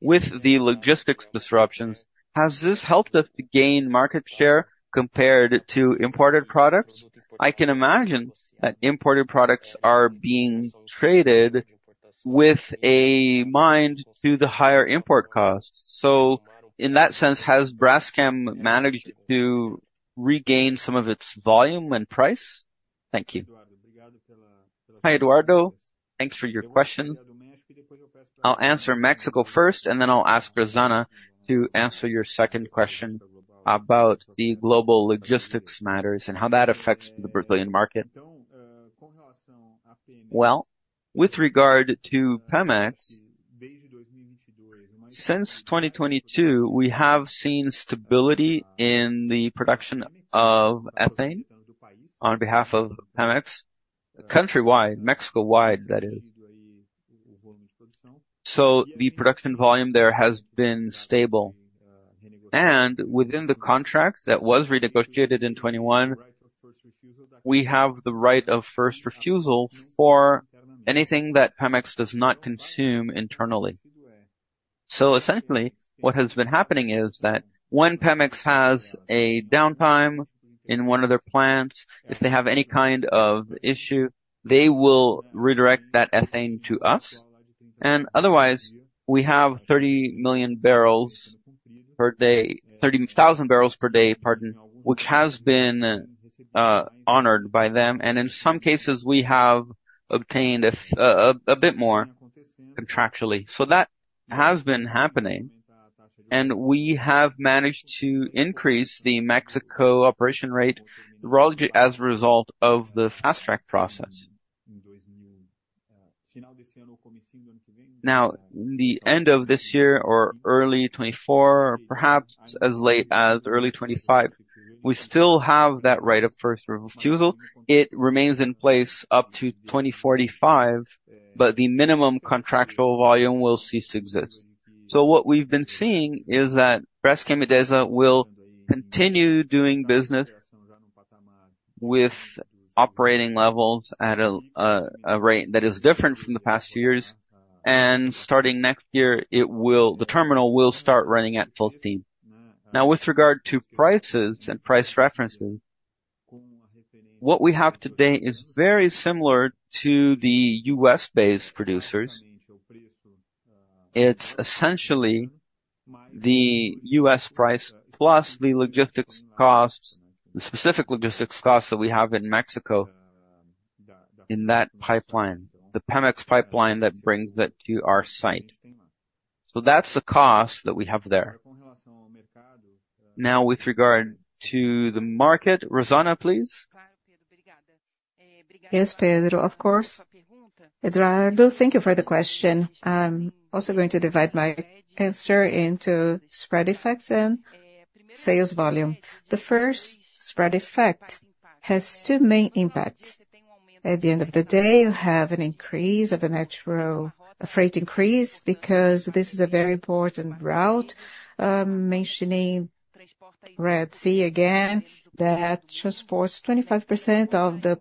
with the logistics disruptions, has this helped us to gain market share compared to imported products? I can imagine that imported products are being traded with a mind to the higher import costs. So in that sense, has Braskem managed to regain some of its volume and price? Thank you. Hi, Eduardo. Thanks for your question. I'll answer Mexico first, and then I'll ask Rosana to answer your second question about the global logistics matters and how that affects the Brazilian market. Well, with regard to PEMEX, since 2022, we have seen stability in the production of ethane on behalf of PEMEX, countrywide, Mexico-wide, that is. So the production volume there has been stable. And within the contract that was renegotiated in 2021, we have the right of first refusal for anything that PEMEX does not consume internally. So essentially, what has been happening is that when PEMEX has a downtime in one of their plants, if they have any kind of issue, they will redirect that ethane to us. And otherwise, we have 30 million barrels per day, 30,000 barrels per day, pardon, which has been honored by them. And in some cases, we have obtained a bit more contractually. So that has been happening, and we have managed to increase the Mexico operation rate as a result of the Fast Track process. Now, in the end of this year or early 2024, or perhaps as late as early 2025, we still have that right of first refusal. It remains in place up to 2045, but the minimum contractual volume will cease to exist. So what we've been seeing is that Braskem and Idesa will continue doing business with operating levels at a rate that is different from the past few years, and starting next year, the terminal will start running at full steam. Now, with regard to prices and price references, what we have today is very similar to the U.S.-based producers. It's essentially the U.S. price plus the specific logistics costs that we have in Mexico in that pipeline, the PEMEX pipeline that brings that to our site. So that's the cost that we have there. Now, with regard to the market, Rosana, please. Yes, Pedro, of course. Eduardo, thank you for the question. I'm also going to divide my answer into spread effects and sales volume. The first spread effect has two main impacts. At the end of the day, you have an increase of the natural freight increase because this is a very important route, mentioning Red Sea again, that transports 25% of the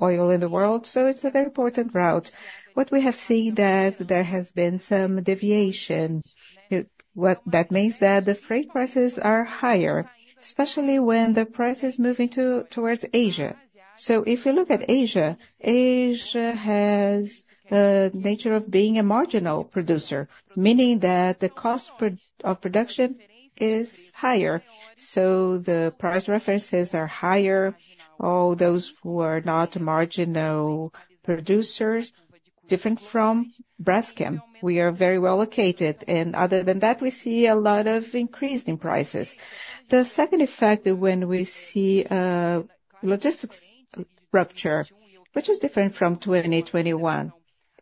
oil in the world. So it's a very important route. What we have seen is that there has been some deviation. That means that the freight prices are higher, especially when the price is moving towards Asia. So if you look at Asia, Asia has the nature of being a marginal producer, meaning that the cost of production is higher. So the price references are higher. All those who are not marginal producers, different from Braskem. We are very well located. Other than that, we see a lot of increase in prices. The second effect is when we see a logistics rupture, which is different from 2021.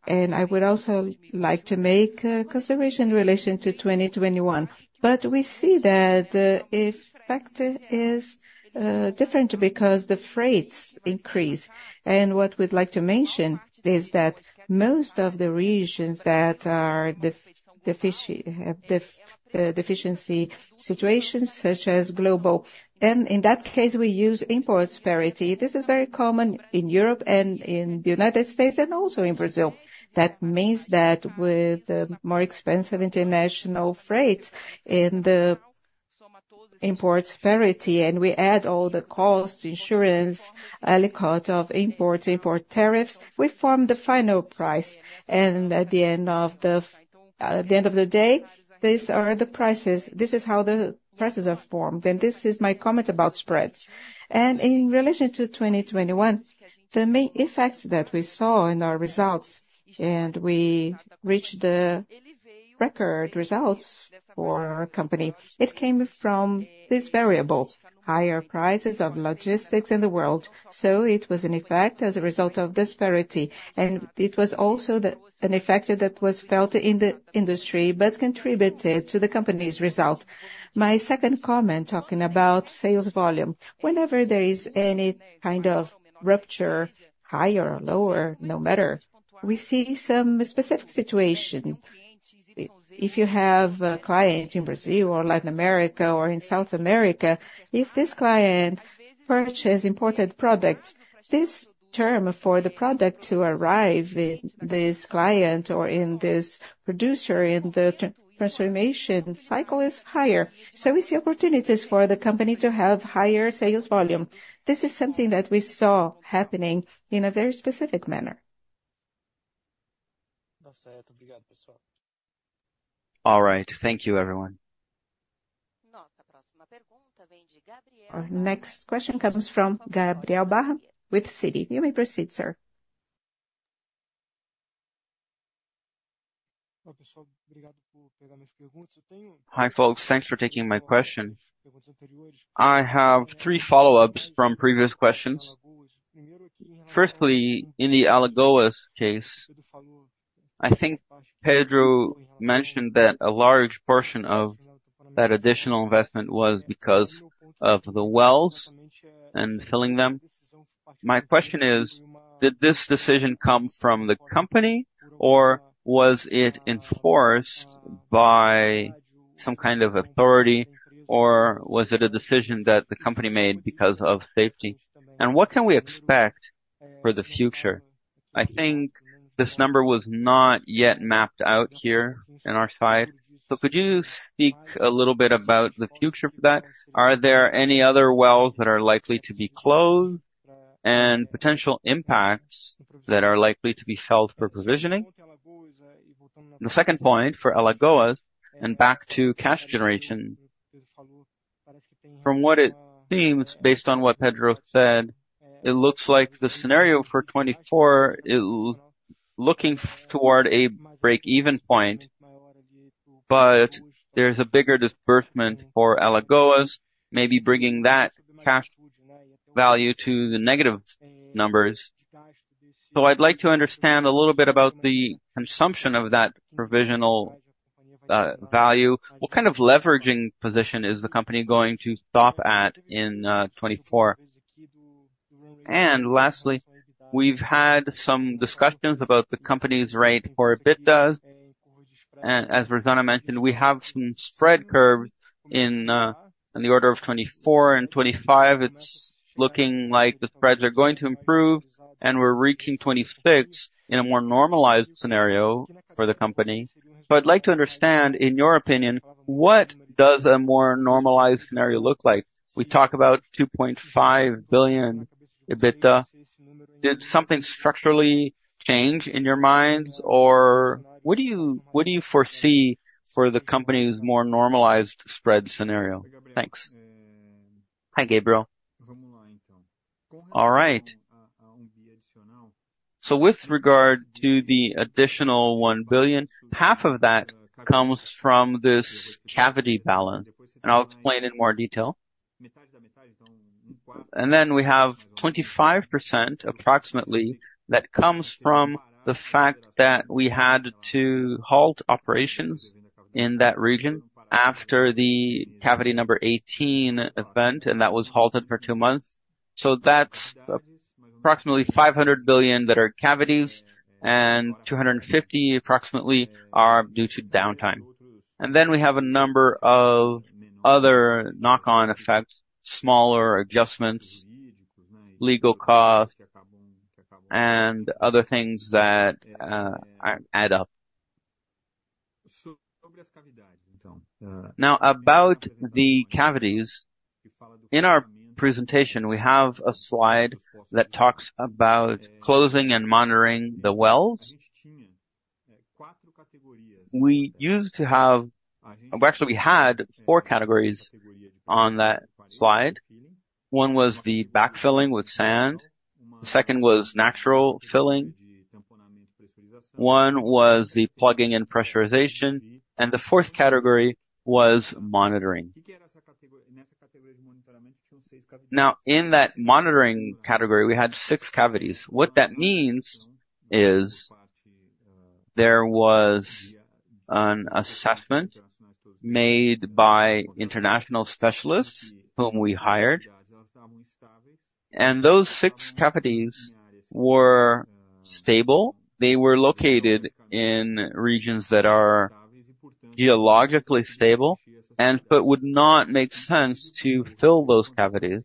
I would also like to make a consideration in relation to 2021. But we see that the effect is different because the freights increase. What we'd like to mention is that most of the regions that have deficiency situations, such as global, and in that case, we use import parity. This is very common in Europe and in the United States and also in Brazil. That means that with more expensive international freights and the import parity, and we add all the costs, insurance, aliquot of imports, import tariffs, we form the final price. At the end of the day, these are the prices. This is how the prices are formed. This is my comment about spreads. In relation to 2021, the main effects that we saw in our results, and we reached the record results for our company, it came from this variable, higher prices of logistics in the world. It was an effect as a result of this parity. It was also an effect that was felt in the industry but contributed to the company's result. My second comment, talking about sales volume, whenever there is any kind of rupture, higher or lower, no matter, we see some specific situation. If you have a client in Brazil or Latin America or in South America, if this client purchases imported products, this term for the product to arrive in this client or in this producer in the transformation cycle is higher. We see opportunities for the company to have higher sales volume. This is something that we saw happening in a very specific manner. All right. Thank you, everyone. Our next question comes from Gabriel Barra with Citi. You may proceed, sir. Hi, folks. Thanks for taking my question. I have three follow-ups from previous questions. Firstly, in the Alagoas case, I think Pedro mentioned that a large portion of that additional investment was because of the wells and filling them. My question is, did this decision come from the company, or was it enforced by some kind of authority, or was it a decision that the company made because of safety? And what can we expect for the future? I think this number was not yet mapped out here in our side. So could you speak a little bit about the future for that? Are there any other wells that are likely to be closed and potential impacts that are likely to be felt for provisioning? The second point, for Alagoas and back to cash generation, from what it seems, based on what Pedro said, it looks like the scenario for 2024 is looking toward a break-even point, but there's a bigger disbursement for Alagoas, maybe bringing that cash value to the negative numbers. So I'd like to understand a little bit about the consumption of that provision value. What kind of leverage position is the company going to stop at in 2024? And lastly, we've had some discussions about the company's rating for EBITDA. And as Rosana mentioned, we have some spread curves in the order of 2024 and 2025. It's looking like the spreads are going to improve, and we're reaching 2026 in a more normalized scenario for the company. So I'd like to understand, in your opinion, what does a more normalized scenario look like? We talk about 2.5 billion EBITDA. Did something structurally change in your minds, or what do you foresee for the company's more normalized spread scenario? Thanks. Hi, Gabriel. All right. So with regard to the additional 1 billion, half of that comes from this cavity balance, and I'll explain in more detail. And then we have 25%, approximately, that comes from the fact that we had to halt operations in that region after the cavity number 18 event, and that was halted for two months. So that's approximately 500 million that are cavities, and 250 million, approximately, are due to downtime. And then we have a number of other knock-on effects, smaller adjustments, legal costs, and other things that add up. Now, about the cavities, in our presentation, we have a slide that talks about closing and monitoring the wells. We used to have actually, we had four categories on that slide. One was the backfilling with sand. The second was natural filling. One was the plugging and pressurization. And the fourth category was monitoring. Now, in that monitoring category, we had six cavities. What that means is there was an assessment made by international specialists whom we hired. And those six cavities were stable. They were located in regions that are geologically stable, but it would not make sense to fill those cavities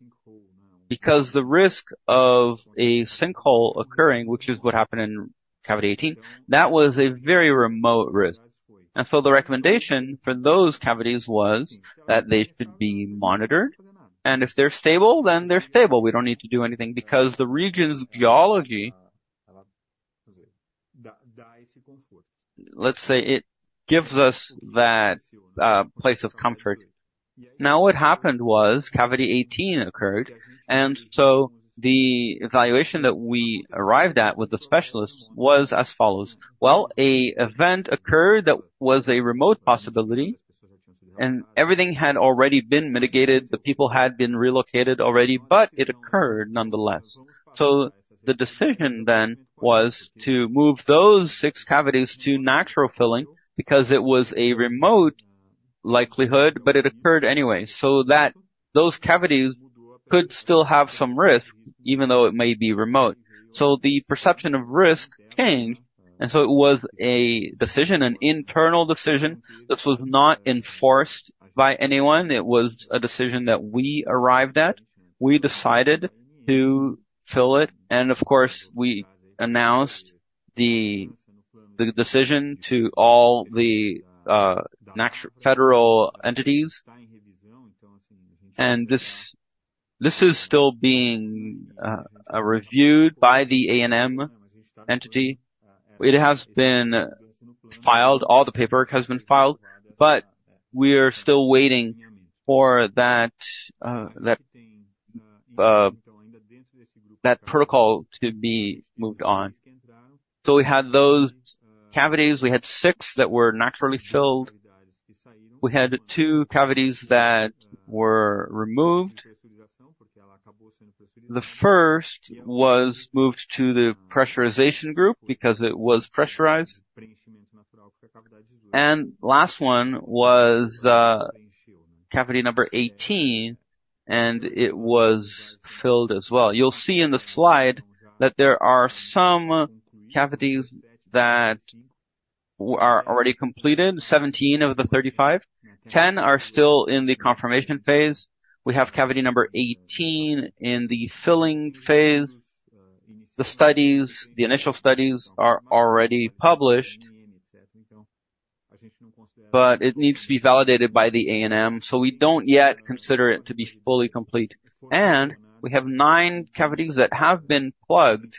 because the risk of a sinkhole occurring, which is what happened in cavity 18, that was a very remote risk. And so the recommendation for those cavities was that they should be monitored. And if they're stable, then they're stable. We don't need to do anything because the region's geology, let's say, it gives us that place of comfort. Now, what happened was cavity 18 occurred, and so the evaluation that we arrived at with the specialists was as follows. Well, an event occurred that was a remote possibility, and everything had already been mitigated. The people had been relocated already, but it occurred nonetheless. So the decision then was to move those six cavities to natural filling because it was a remote likelihood, but it occurred anyway. So those cavities could still have some risk even though it may be remote. So the perception of risk changed. And so it was an internal decision. This was not enforced by anyone. It was a decision that we arrived at. We decided to fill it. And of course, we announced the decision to all the federal entities. And this is still being reviewed by the ANM entity. It has been filed. All the paperwork has been filed, but we are still waiting for that protocol to be moved on. So we had those cavities. We had six that were naturally filled. We had two cavities that were removed. The first was moved to the pressurization group because it was pressurized. And last one was cavity number 18, and it was filled as well. You'll see in the slide that there are some cavities that are already completed, 17 of the 35. 10 are still in the confirmation phase. We have cavity number 18 in the filling phase. The initial studies are already published, but it needs to be validated by the ANM. So we don't yet consider it to be fully complete. We have nine cavities that have been plugged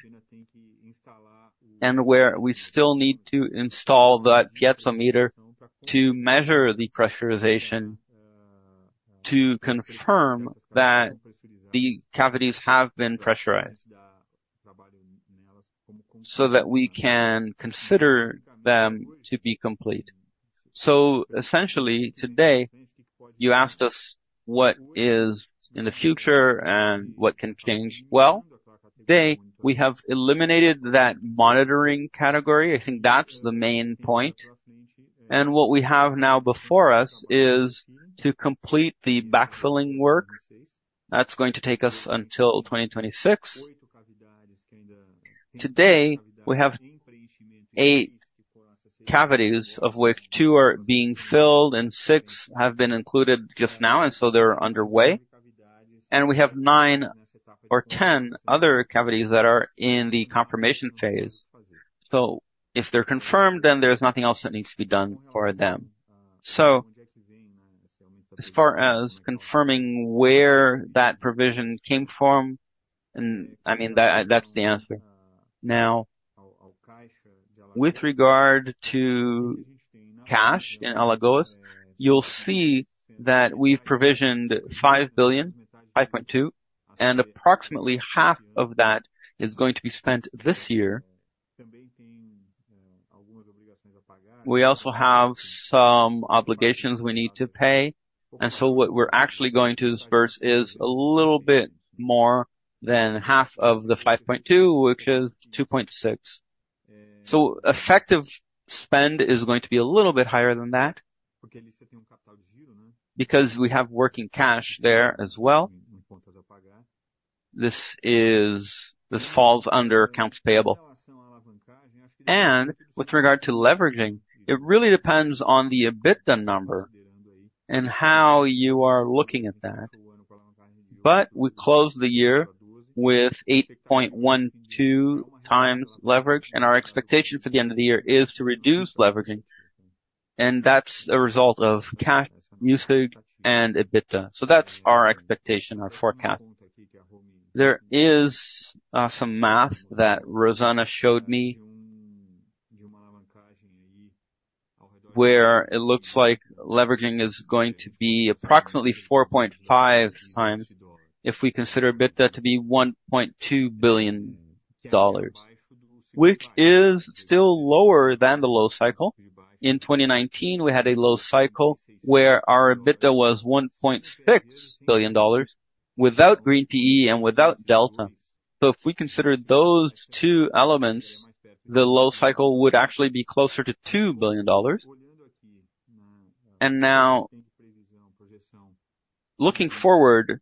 and where we still need to install that piezometer to measure the pressurization to confirm that the cavities have been pressurized so that we can consider them to be complete. So essentially, today, you asked us what is in the future and what can change. Well, today, we have eliminated that monitoring category. I think that's the main point. What we have now before us is to complete the backfilling work. That's going to take us until 2026. Today, we have eight cavities, of which two are being filled and six have been included just now, and so they're underway. We have nine or 10 other cavities that are in the confirmation phase. So if they're confirmed, then there's nothing else that needs to be done for them. So as far as confirming where that provision came from, I mean, that's the answer. Now, with regard to cash in Alagoas, you'll see that we've provisioned 5.2 billion, and approximately half of that is going to be spent this year. We also have some obligations we need to pay. And so what we're actually going to disburse is a little bit more than half of the 5.2 billion, which is 2.6 billion. So effective spend is going to be a little bit higher than that because we have working cash there as well. This falls under accounts payable. And with regard to leveraging, it really depends on the EBITDA number and how you are looking at that. But we closed the year with 8.12x leverage, and our expectation for the end of the year is to reduce leveraging. And that's a result of cash, CapEx, and EBITDA. So that's our expectation, our forecast. There is some math that Rosana showed me where it looks like leverage is going to be approximately 4.5x if we consider EBITDA to be $1.2 billion, which is still lower than the low cycle. In 2019, we had a low cycle where our EBITDA was $1.6 billion without green PE and without delta. So if we consider those two elements, the low cycle would actually be closer to $2 billion. And now, looking forward,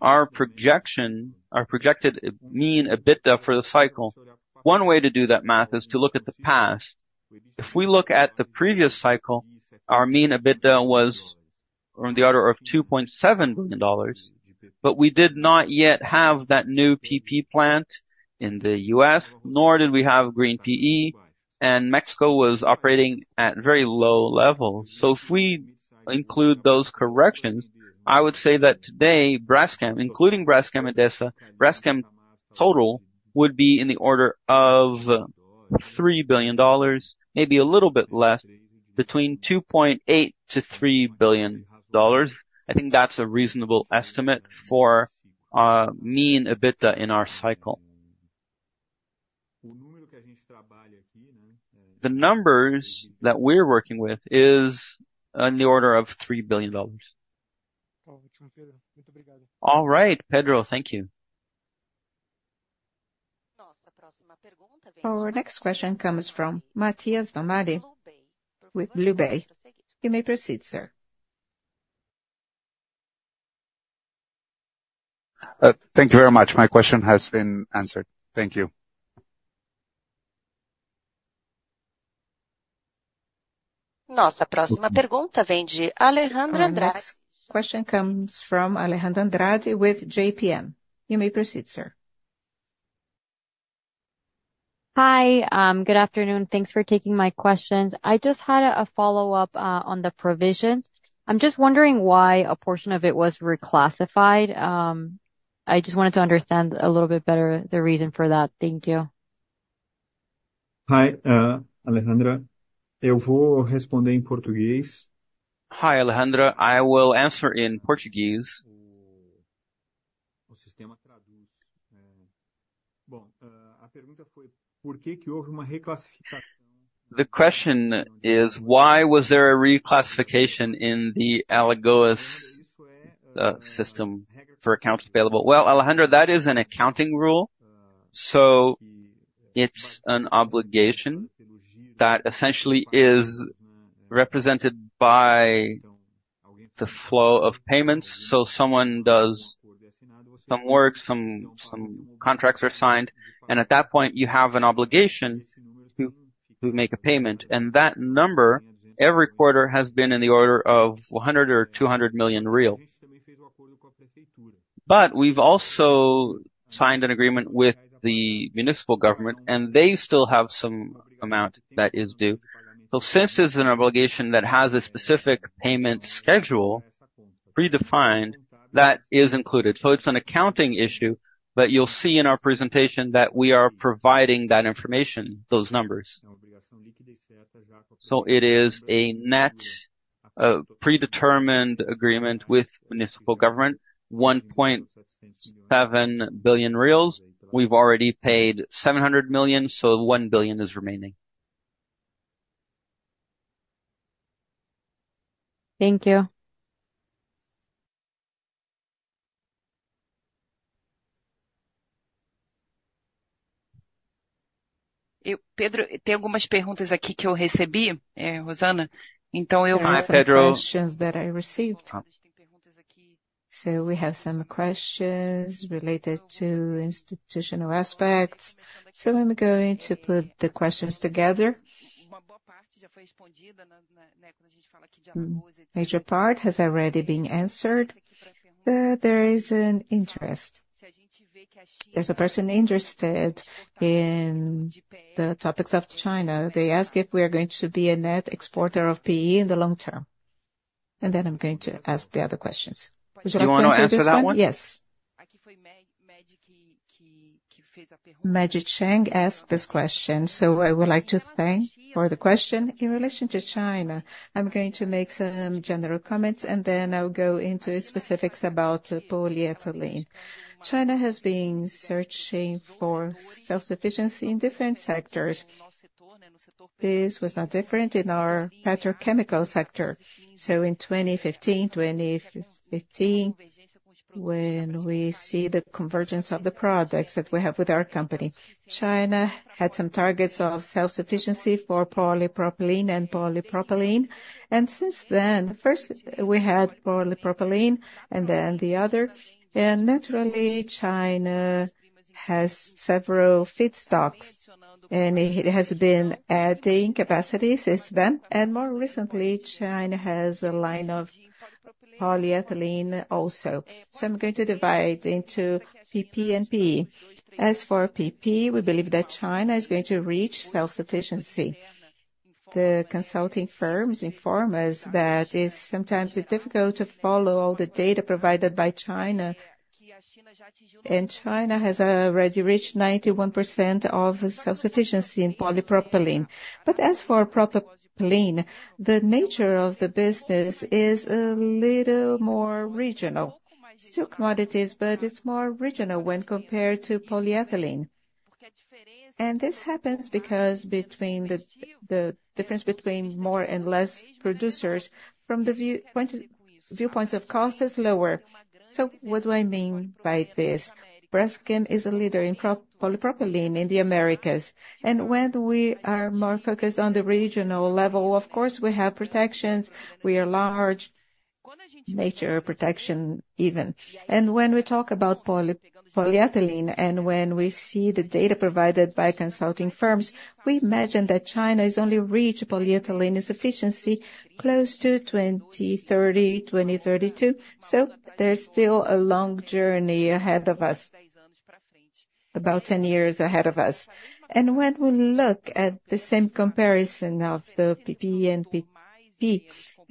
our projected mean EBITDA for the cycle, one way to do that math is to look at the past. If we look at the previous cycle, our mean EBITDA was on the order of $2.7 billion, but we did not yet have that new PP plant in the U.S., nor did we have green PE, and Mexico was operating at very low levels. If we include those corrections, I would say that today, including Braskem and Idesa, Braskem total would be in the order of $3 billion, maybe a little bit less, between $2.8 billion-$3 billion. I think that's a reasonable estimate for mean EBITDA in our cycle. The numbers that we're working with are on the order of $3 billion. All right, Pedro. Thank you. Our next question comes from Matias Vammalle with BlueBay. You may proceed, sir. Thank you very much. My question has been answered. Thank you. Our next question comes from Alejandra Andrade with JPM. You may proceed, sir. Hi. Good afternoon. Thanks for taking my questions. I just had a follow-up on the provisions. I'm just wondering why a portion of it was reclassified. I just wanted to understand a little bit better the reason for that. Thank you. Hi, Alejandra. I will answer in Portuguese. The question is: why was there a reclassification in the Alagoas system for accounts payable? Well, Alejandra, that is an accounting rule. So it's an obligation that essentially is represented by the flow of payments. So someone does some work, some contracts are signed, and at that point, you have an obligation to make a payment. And that number, every quarter, has been in the order of 100 million or 200 million real. But we've also signed an agreement with the municipal government, and they still have some amount that is due. So since it's an obligation that has a specific payment schedule predefined, that is included. So it's an accounting issue, but you'll see in our presentation that we are providing that information, those numbers. So it is a net predetermined agreement with municipal government: 1.7 billion reais. We've already paid 700 million, so 1 billion is remaining. Thank you. Any questions that I received? So we have some questions related to institutional aspects. So I'm going to put the questions together. There's a person interested in the topics of China. They ask if we are going to be a net exporter of PE in the long term. And then I'm going to ask the other questions. Do you want to answer that one? Yes. Maggie Chiang asked this question. So I would like to thank you for the question in relation to China. I'm going to make some general comments, and then I'll go into specifics about polyethylene. China has been searching for self-sufficiency in different sectors. This was not different in our petrochemical sector. So in 2015, when we see the convergence of the products that we have with our company, China had some targets of self-sufficiency for polypropylene and polypropylene. And since then, first we had polypropylene and then the other. And naturally, China has several feedstocks, and it has been adding capacity since then. And more recently, China has a line of polyethylene also. So I'm going to divide into PP and PE. As for PP, we believe that China is going to reach self-sufficiency. The consulting firms inform us that sometimes it's difficult to follow all the data provided by China. And China has already reached 91% of self-sufficiency in polypropylene. But as for propylene, the nature of the business is a little more regional. Still commodities, but it's more regional when compared to polyethylene. And this happens because the difference between more and less producers from the viewpoints of cost is lower. So what do I mean by this? Braskem is a leader in polypropylene in the Americas. And when we are more focused on the regional level, of course, we have protections. We are large, nature protection even. And when we talk about polyethylene and when we see the data provided by consulting firms, we imagine that China is only reaching polyethylene insufficiency close to 2030, 2032. So there's still a long journey ahead of us, about 10 years ahead of us. When we look at the same comparison of the PP and PE,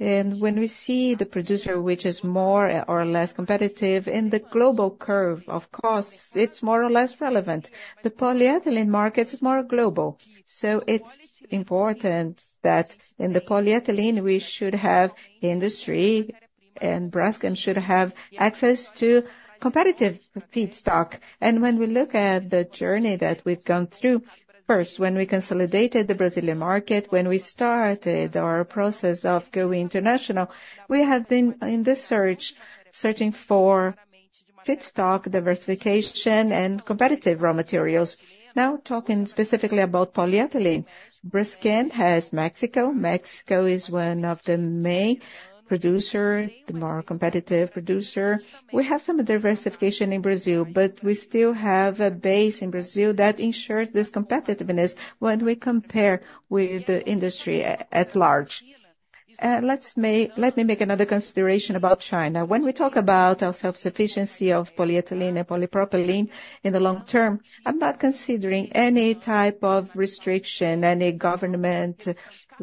and when we see the producer which is more or less competitive in the global curve of costs, it's more or less relevant. The polyethylene market is more global. So it's important that in the polyethylene, we should have industry and Braskem should have access to competitive feedstock. When we look at the journey that we've gone through, first, when we consolidated the Brazilian market, when we started our process of going international, we have been in this search, searching for feedstock diversification and competitive raw materials. Now, talking specifically about polyethylene, Braskem has Mexico. Mexico is one of the main producers, the more competitive producer. We have some diversification in Brazil, but we still have a base in Brazil that ensures this competitiveness when we compare with the industry at large. Let me make another consideration about China. When we talk about our self-sufficiency of polyethylene and polypropylene in the long term, I'm not considering any type of restriction, any government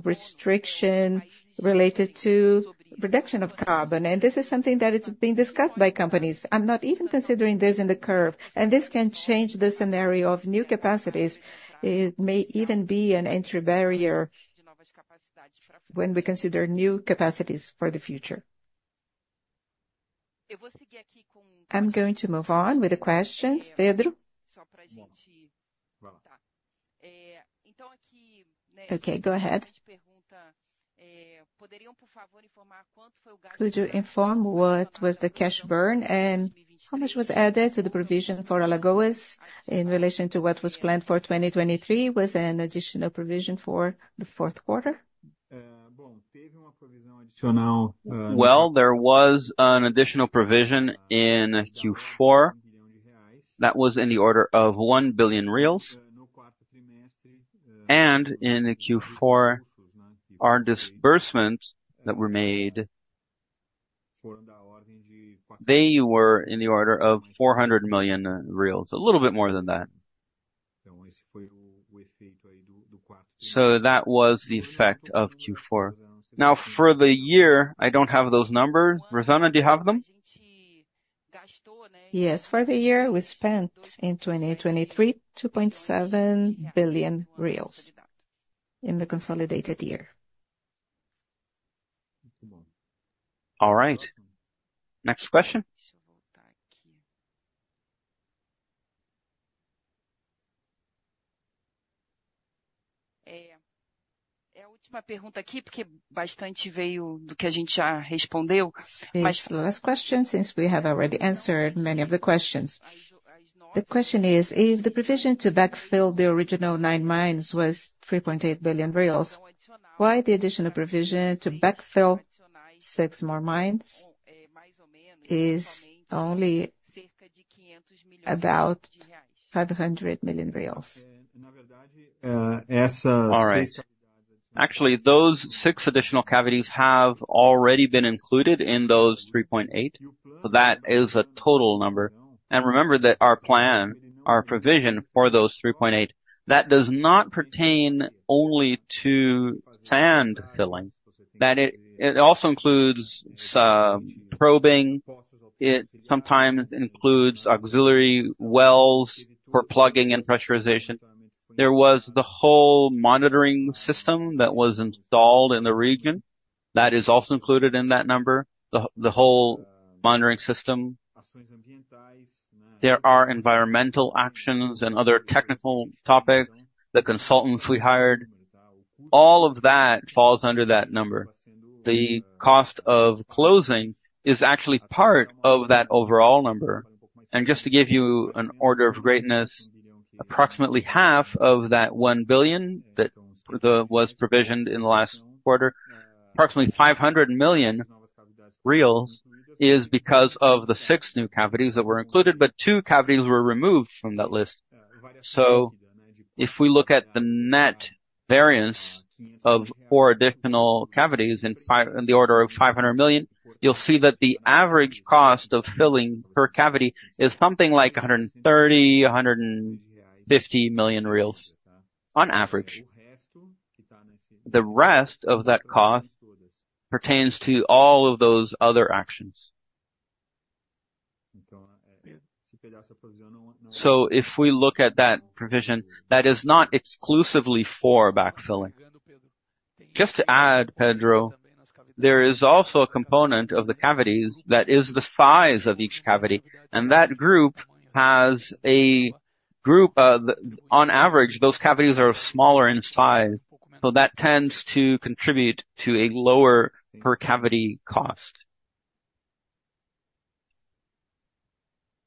restriction related to reduction of carbon. This is something that has been discussed by companies. I'm not even considering this in the curve. This can change the scenario of new capacities. It may even be an entry barrier when we consider new capacities for the future. I'm going to move on with the questions, Pedro. Okay, go ahead. Could you inform what was the cash burn and how much was added to the provision for Alagoas in relation to what was planned for 2023? Was there an additional provision for the fourth quarter? Well, there was an additional provision in Q4. That was in the order of 1 billion reais. In Q4, our disbursements that were made, they were in the order of 400 million reais, a little bit more than that. That was the effect of Q4. Now, for the year, I don't have those numbers. Rosana, do you have them? Yes. For the year we spent in 2023, 2.7 billion reais in the consolidated year. All right. Next question. This last question, since we have already answered many of the questions. The question is: if the provision to backfill the original nine mines was 3.8 billion reais, why the additional provision to backfill six more mines is only about BRL 500 million? All right. Actually, those six additional cavities have already been included in those 3.8 billion. So that is a total number. And remember that our plan, our provision for those 3.8 billion, that does not pertain only to sand filling. It also includes probing. It sometimes includes auxiliary wells for plugging and pressurization. There was the whole monitoring system that was installed in the region. That is also included in that number, the whole monitoring system. There are environmental actions and other technical topics, the consultants we hired. All of that falls under that number. The cost of closing is actually part of that overall number. And just to give you an order of magnitude, approximately half of that 1 billion that was provisioned in the last quarter, approximately 500 million reais, is because of the six new cavities that were included, but two cavities were removed from that list. So if we look at the net variance of four additional cavities in the order of 500 million, you'll see that the average cost of filling per cavity is something like 130 million-150 million reais, on average. The rest of that cost pertains to all of those other actions. So if we look at that provision, that is not exclusively for backfilling. Just to add, Pedro, there is also a component of the cavities that is the size of each cavity. And that group has a group, on average, those cavities are smaller in size. So that tends to contribute to a lower per cavity cost.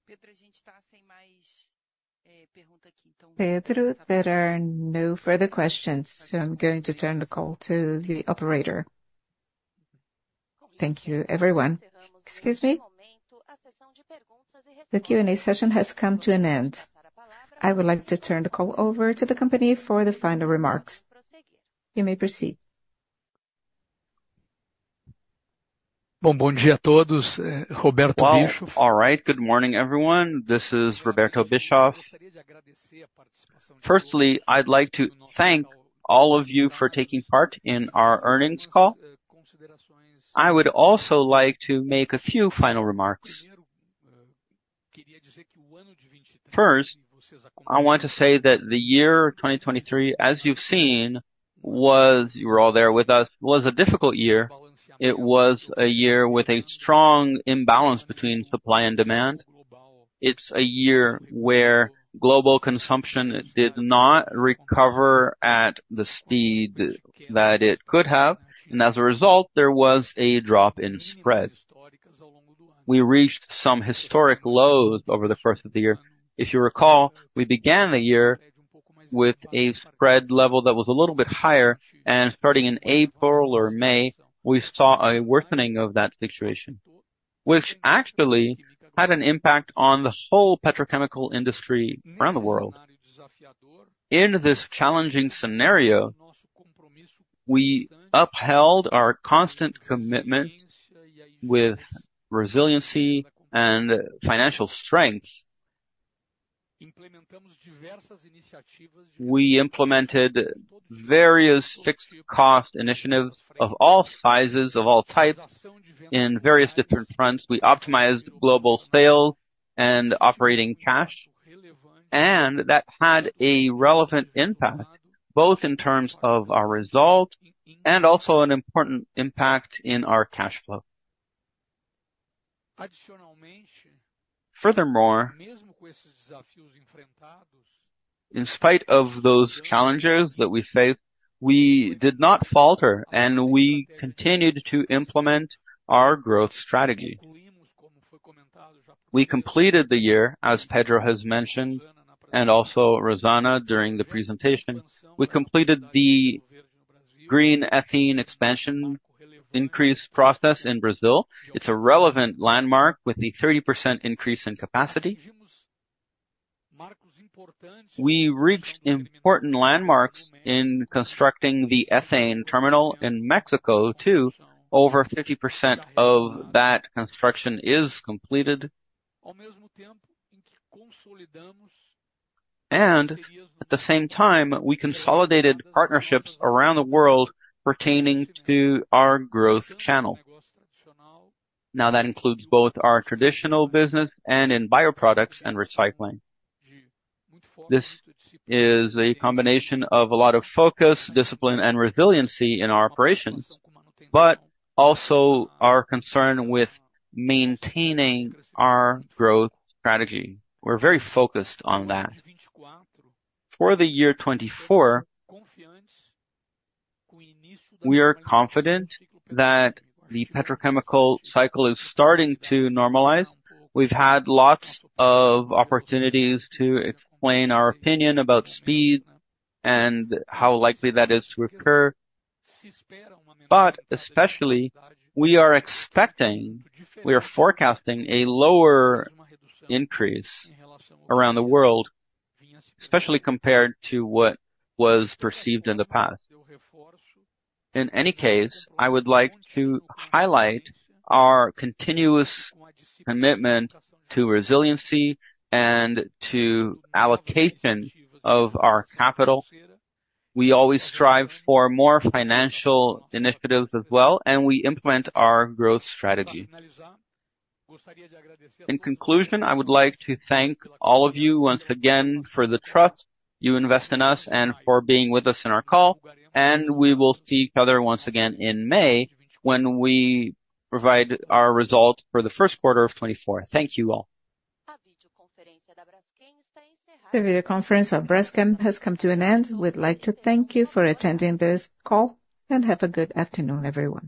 Pedro, there are no further questions, so I'm going to turn the call to the operator. Thank you, everyone. Excuse me. The Q&A session has come to an end. I would like to turn the call over to the company for the final remarks. You may proceed. All right. Good morning, everyone. This is Roberto Bischoff. Firstly, I'd like to thank all of you for taking part in our earnings call. I would also like to make a few final remarks. First, I want to say that the year 2023, as you've seen, was—you were all there with us—was a difficult year. It was a year with a strong imbalance between supply and demand. It's a year where global consumption did not recover at the speed that it could have, and as a result, there was a drop in spread. We reached some historic lows over the first of the year. If you recall, we began the year with a spread level that was a little bit higher, and starting in April or May, we saw a worsening of that situation, which actually had an impact on the whole petrochemical industry around the world. In this challenging scenario, we upheld our constant commitment with resiliency and financial strength. We implemented various fixed-cost initiatives of all sizes, of all types, in various different fronts. We optimized global sales and operating cash, and that had a relevant impact both in terms of our result and also an important impact in our cash flow. Furthermore, in spite of those challenges that we faced, we did not falter, and we continued to implement our growth strategy. We completed the year, as Pedro has mentioned and also Rosana during the presentation, we completed the green ethylene expansion increase process in Brazil. It's a relevant landmark with a 30% increase in capacity. We reached important landmarks in constructing the ethane terminal in Mexico, too. Over 50% of that construction is completed. At the same time, we consolidated partnerships around the world pertaining to our growth channel. Now, that includes both our traditional business and in bioproducts and recycling. This is a combination of a lot of focus, discipline, and resiliency in our operations, but also our concern with maintaining our growth strategy. We're very focused on that. For the year 2024, we are confident that the petrochemical cycle is starting to normalize. We've had lots of opportunities to explain our opinion about speed and how likely that is to occur. But especially, we are expecting, we are forecasting a lower increase around the world, especially compared to what was perceived in the past. In any case, I would like to highlight our continuous commitment to resiliency and to allocation of our capital. We always strive for more financial initiatives as well, and we implement our growth strategy. In conclusion, I would like to thank all of you once again for the trust you invest in us and for being with us in our call. We will see each other once again in May when we provide our results for the first quarter of 2024. Thank you all. The video conference of Braskem has come to an end. We'd like to thank you for attending this call and have a good afternoon, everyone.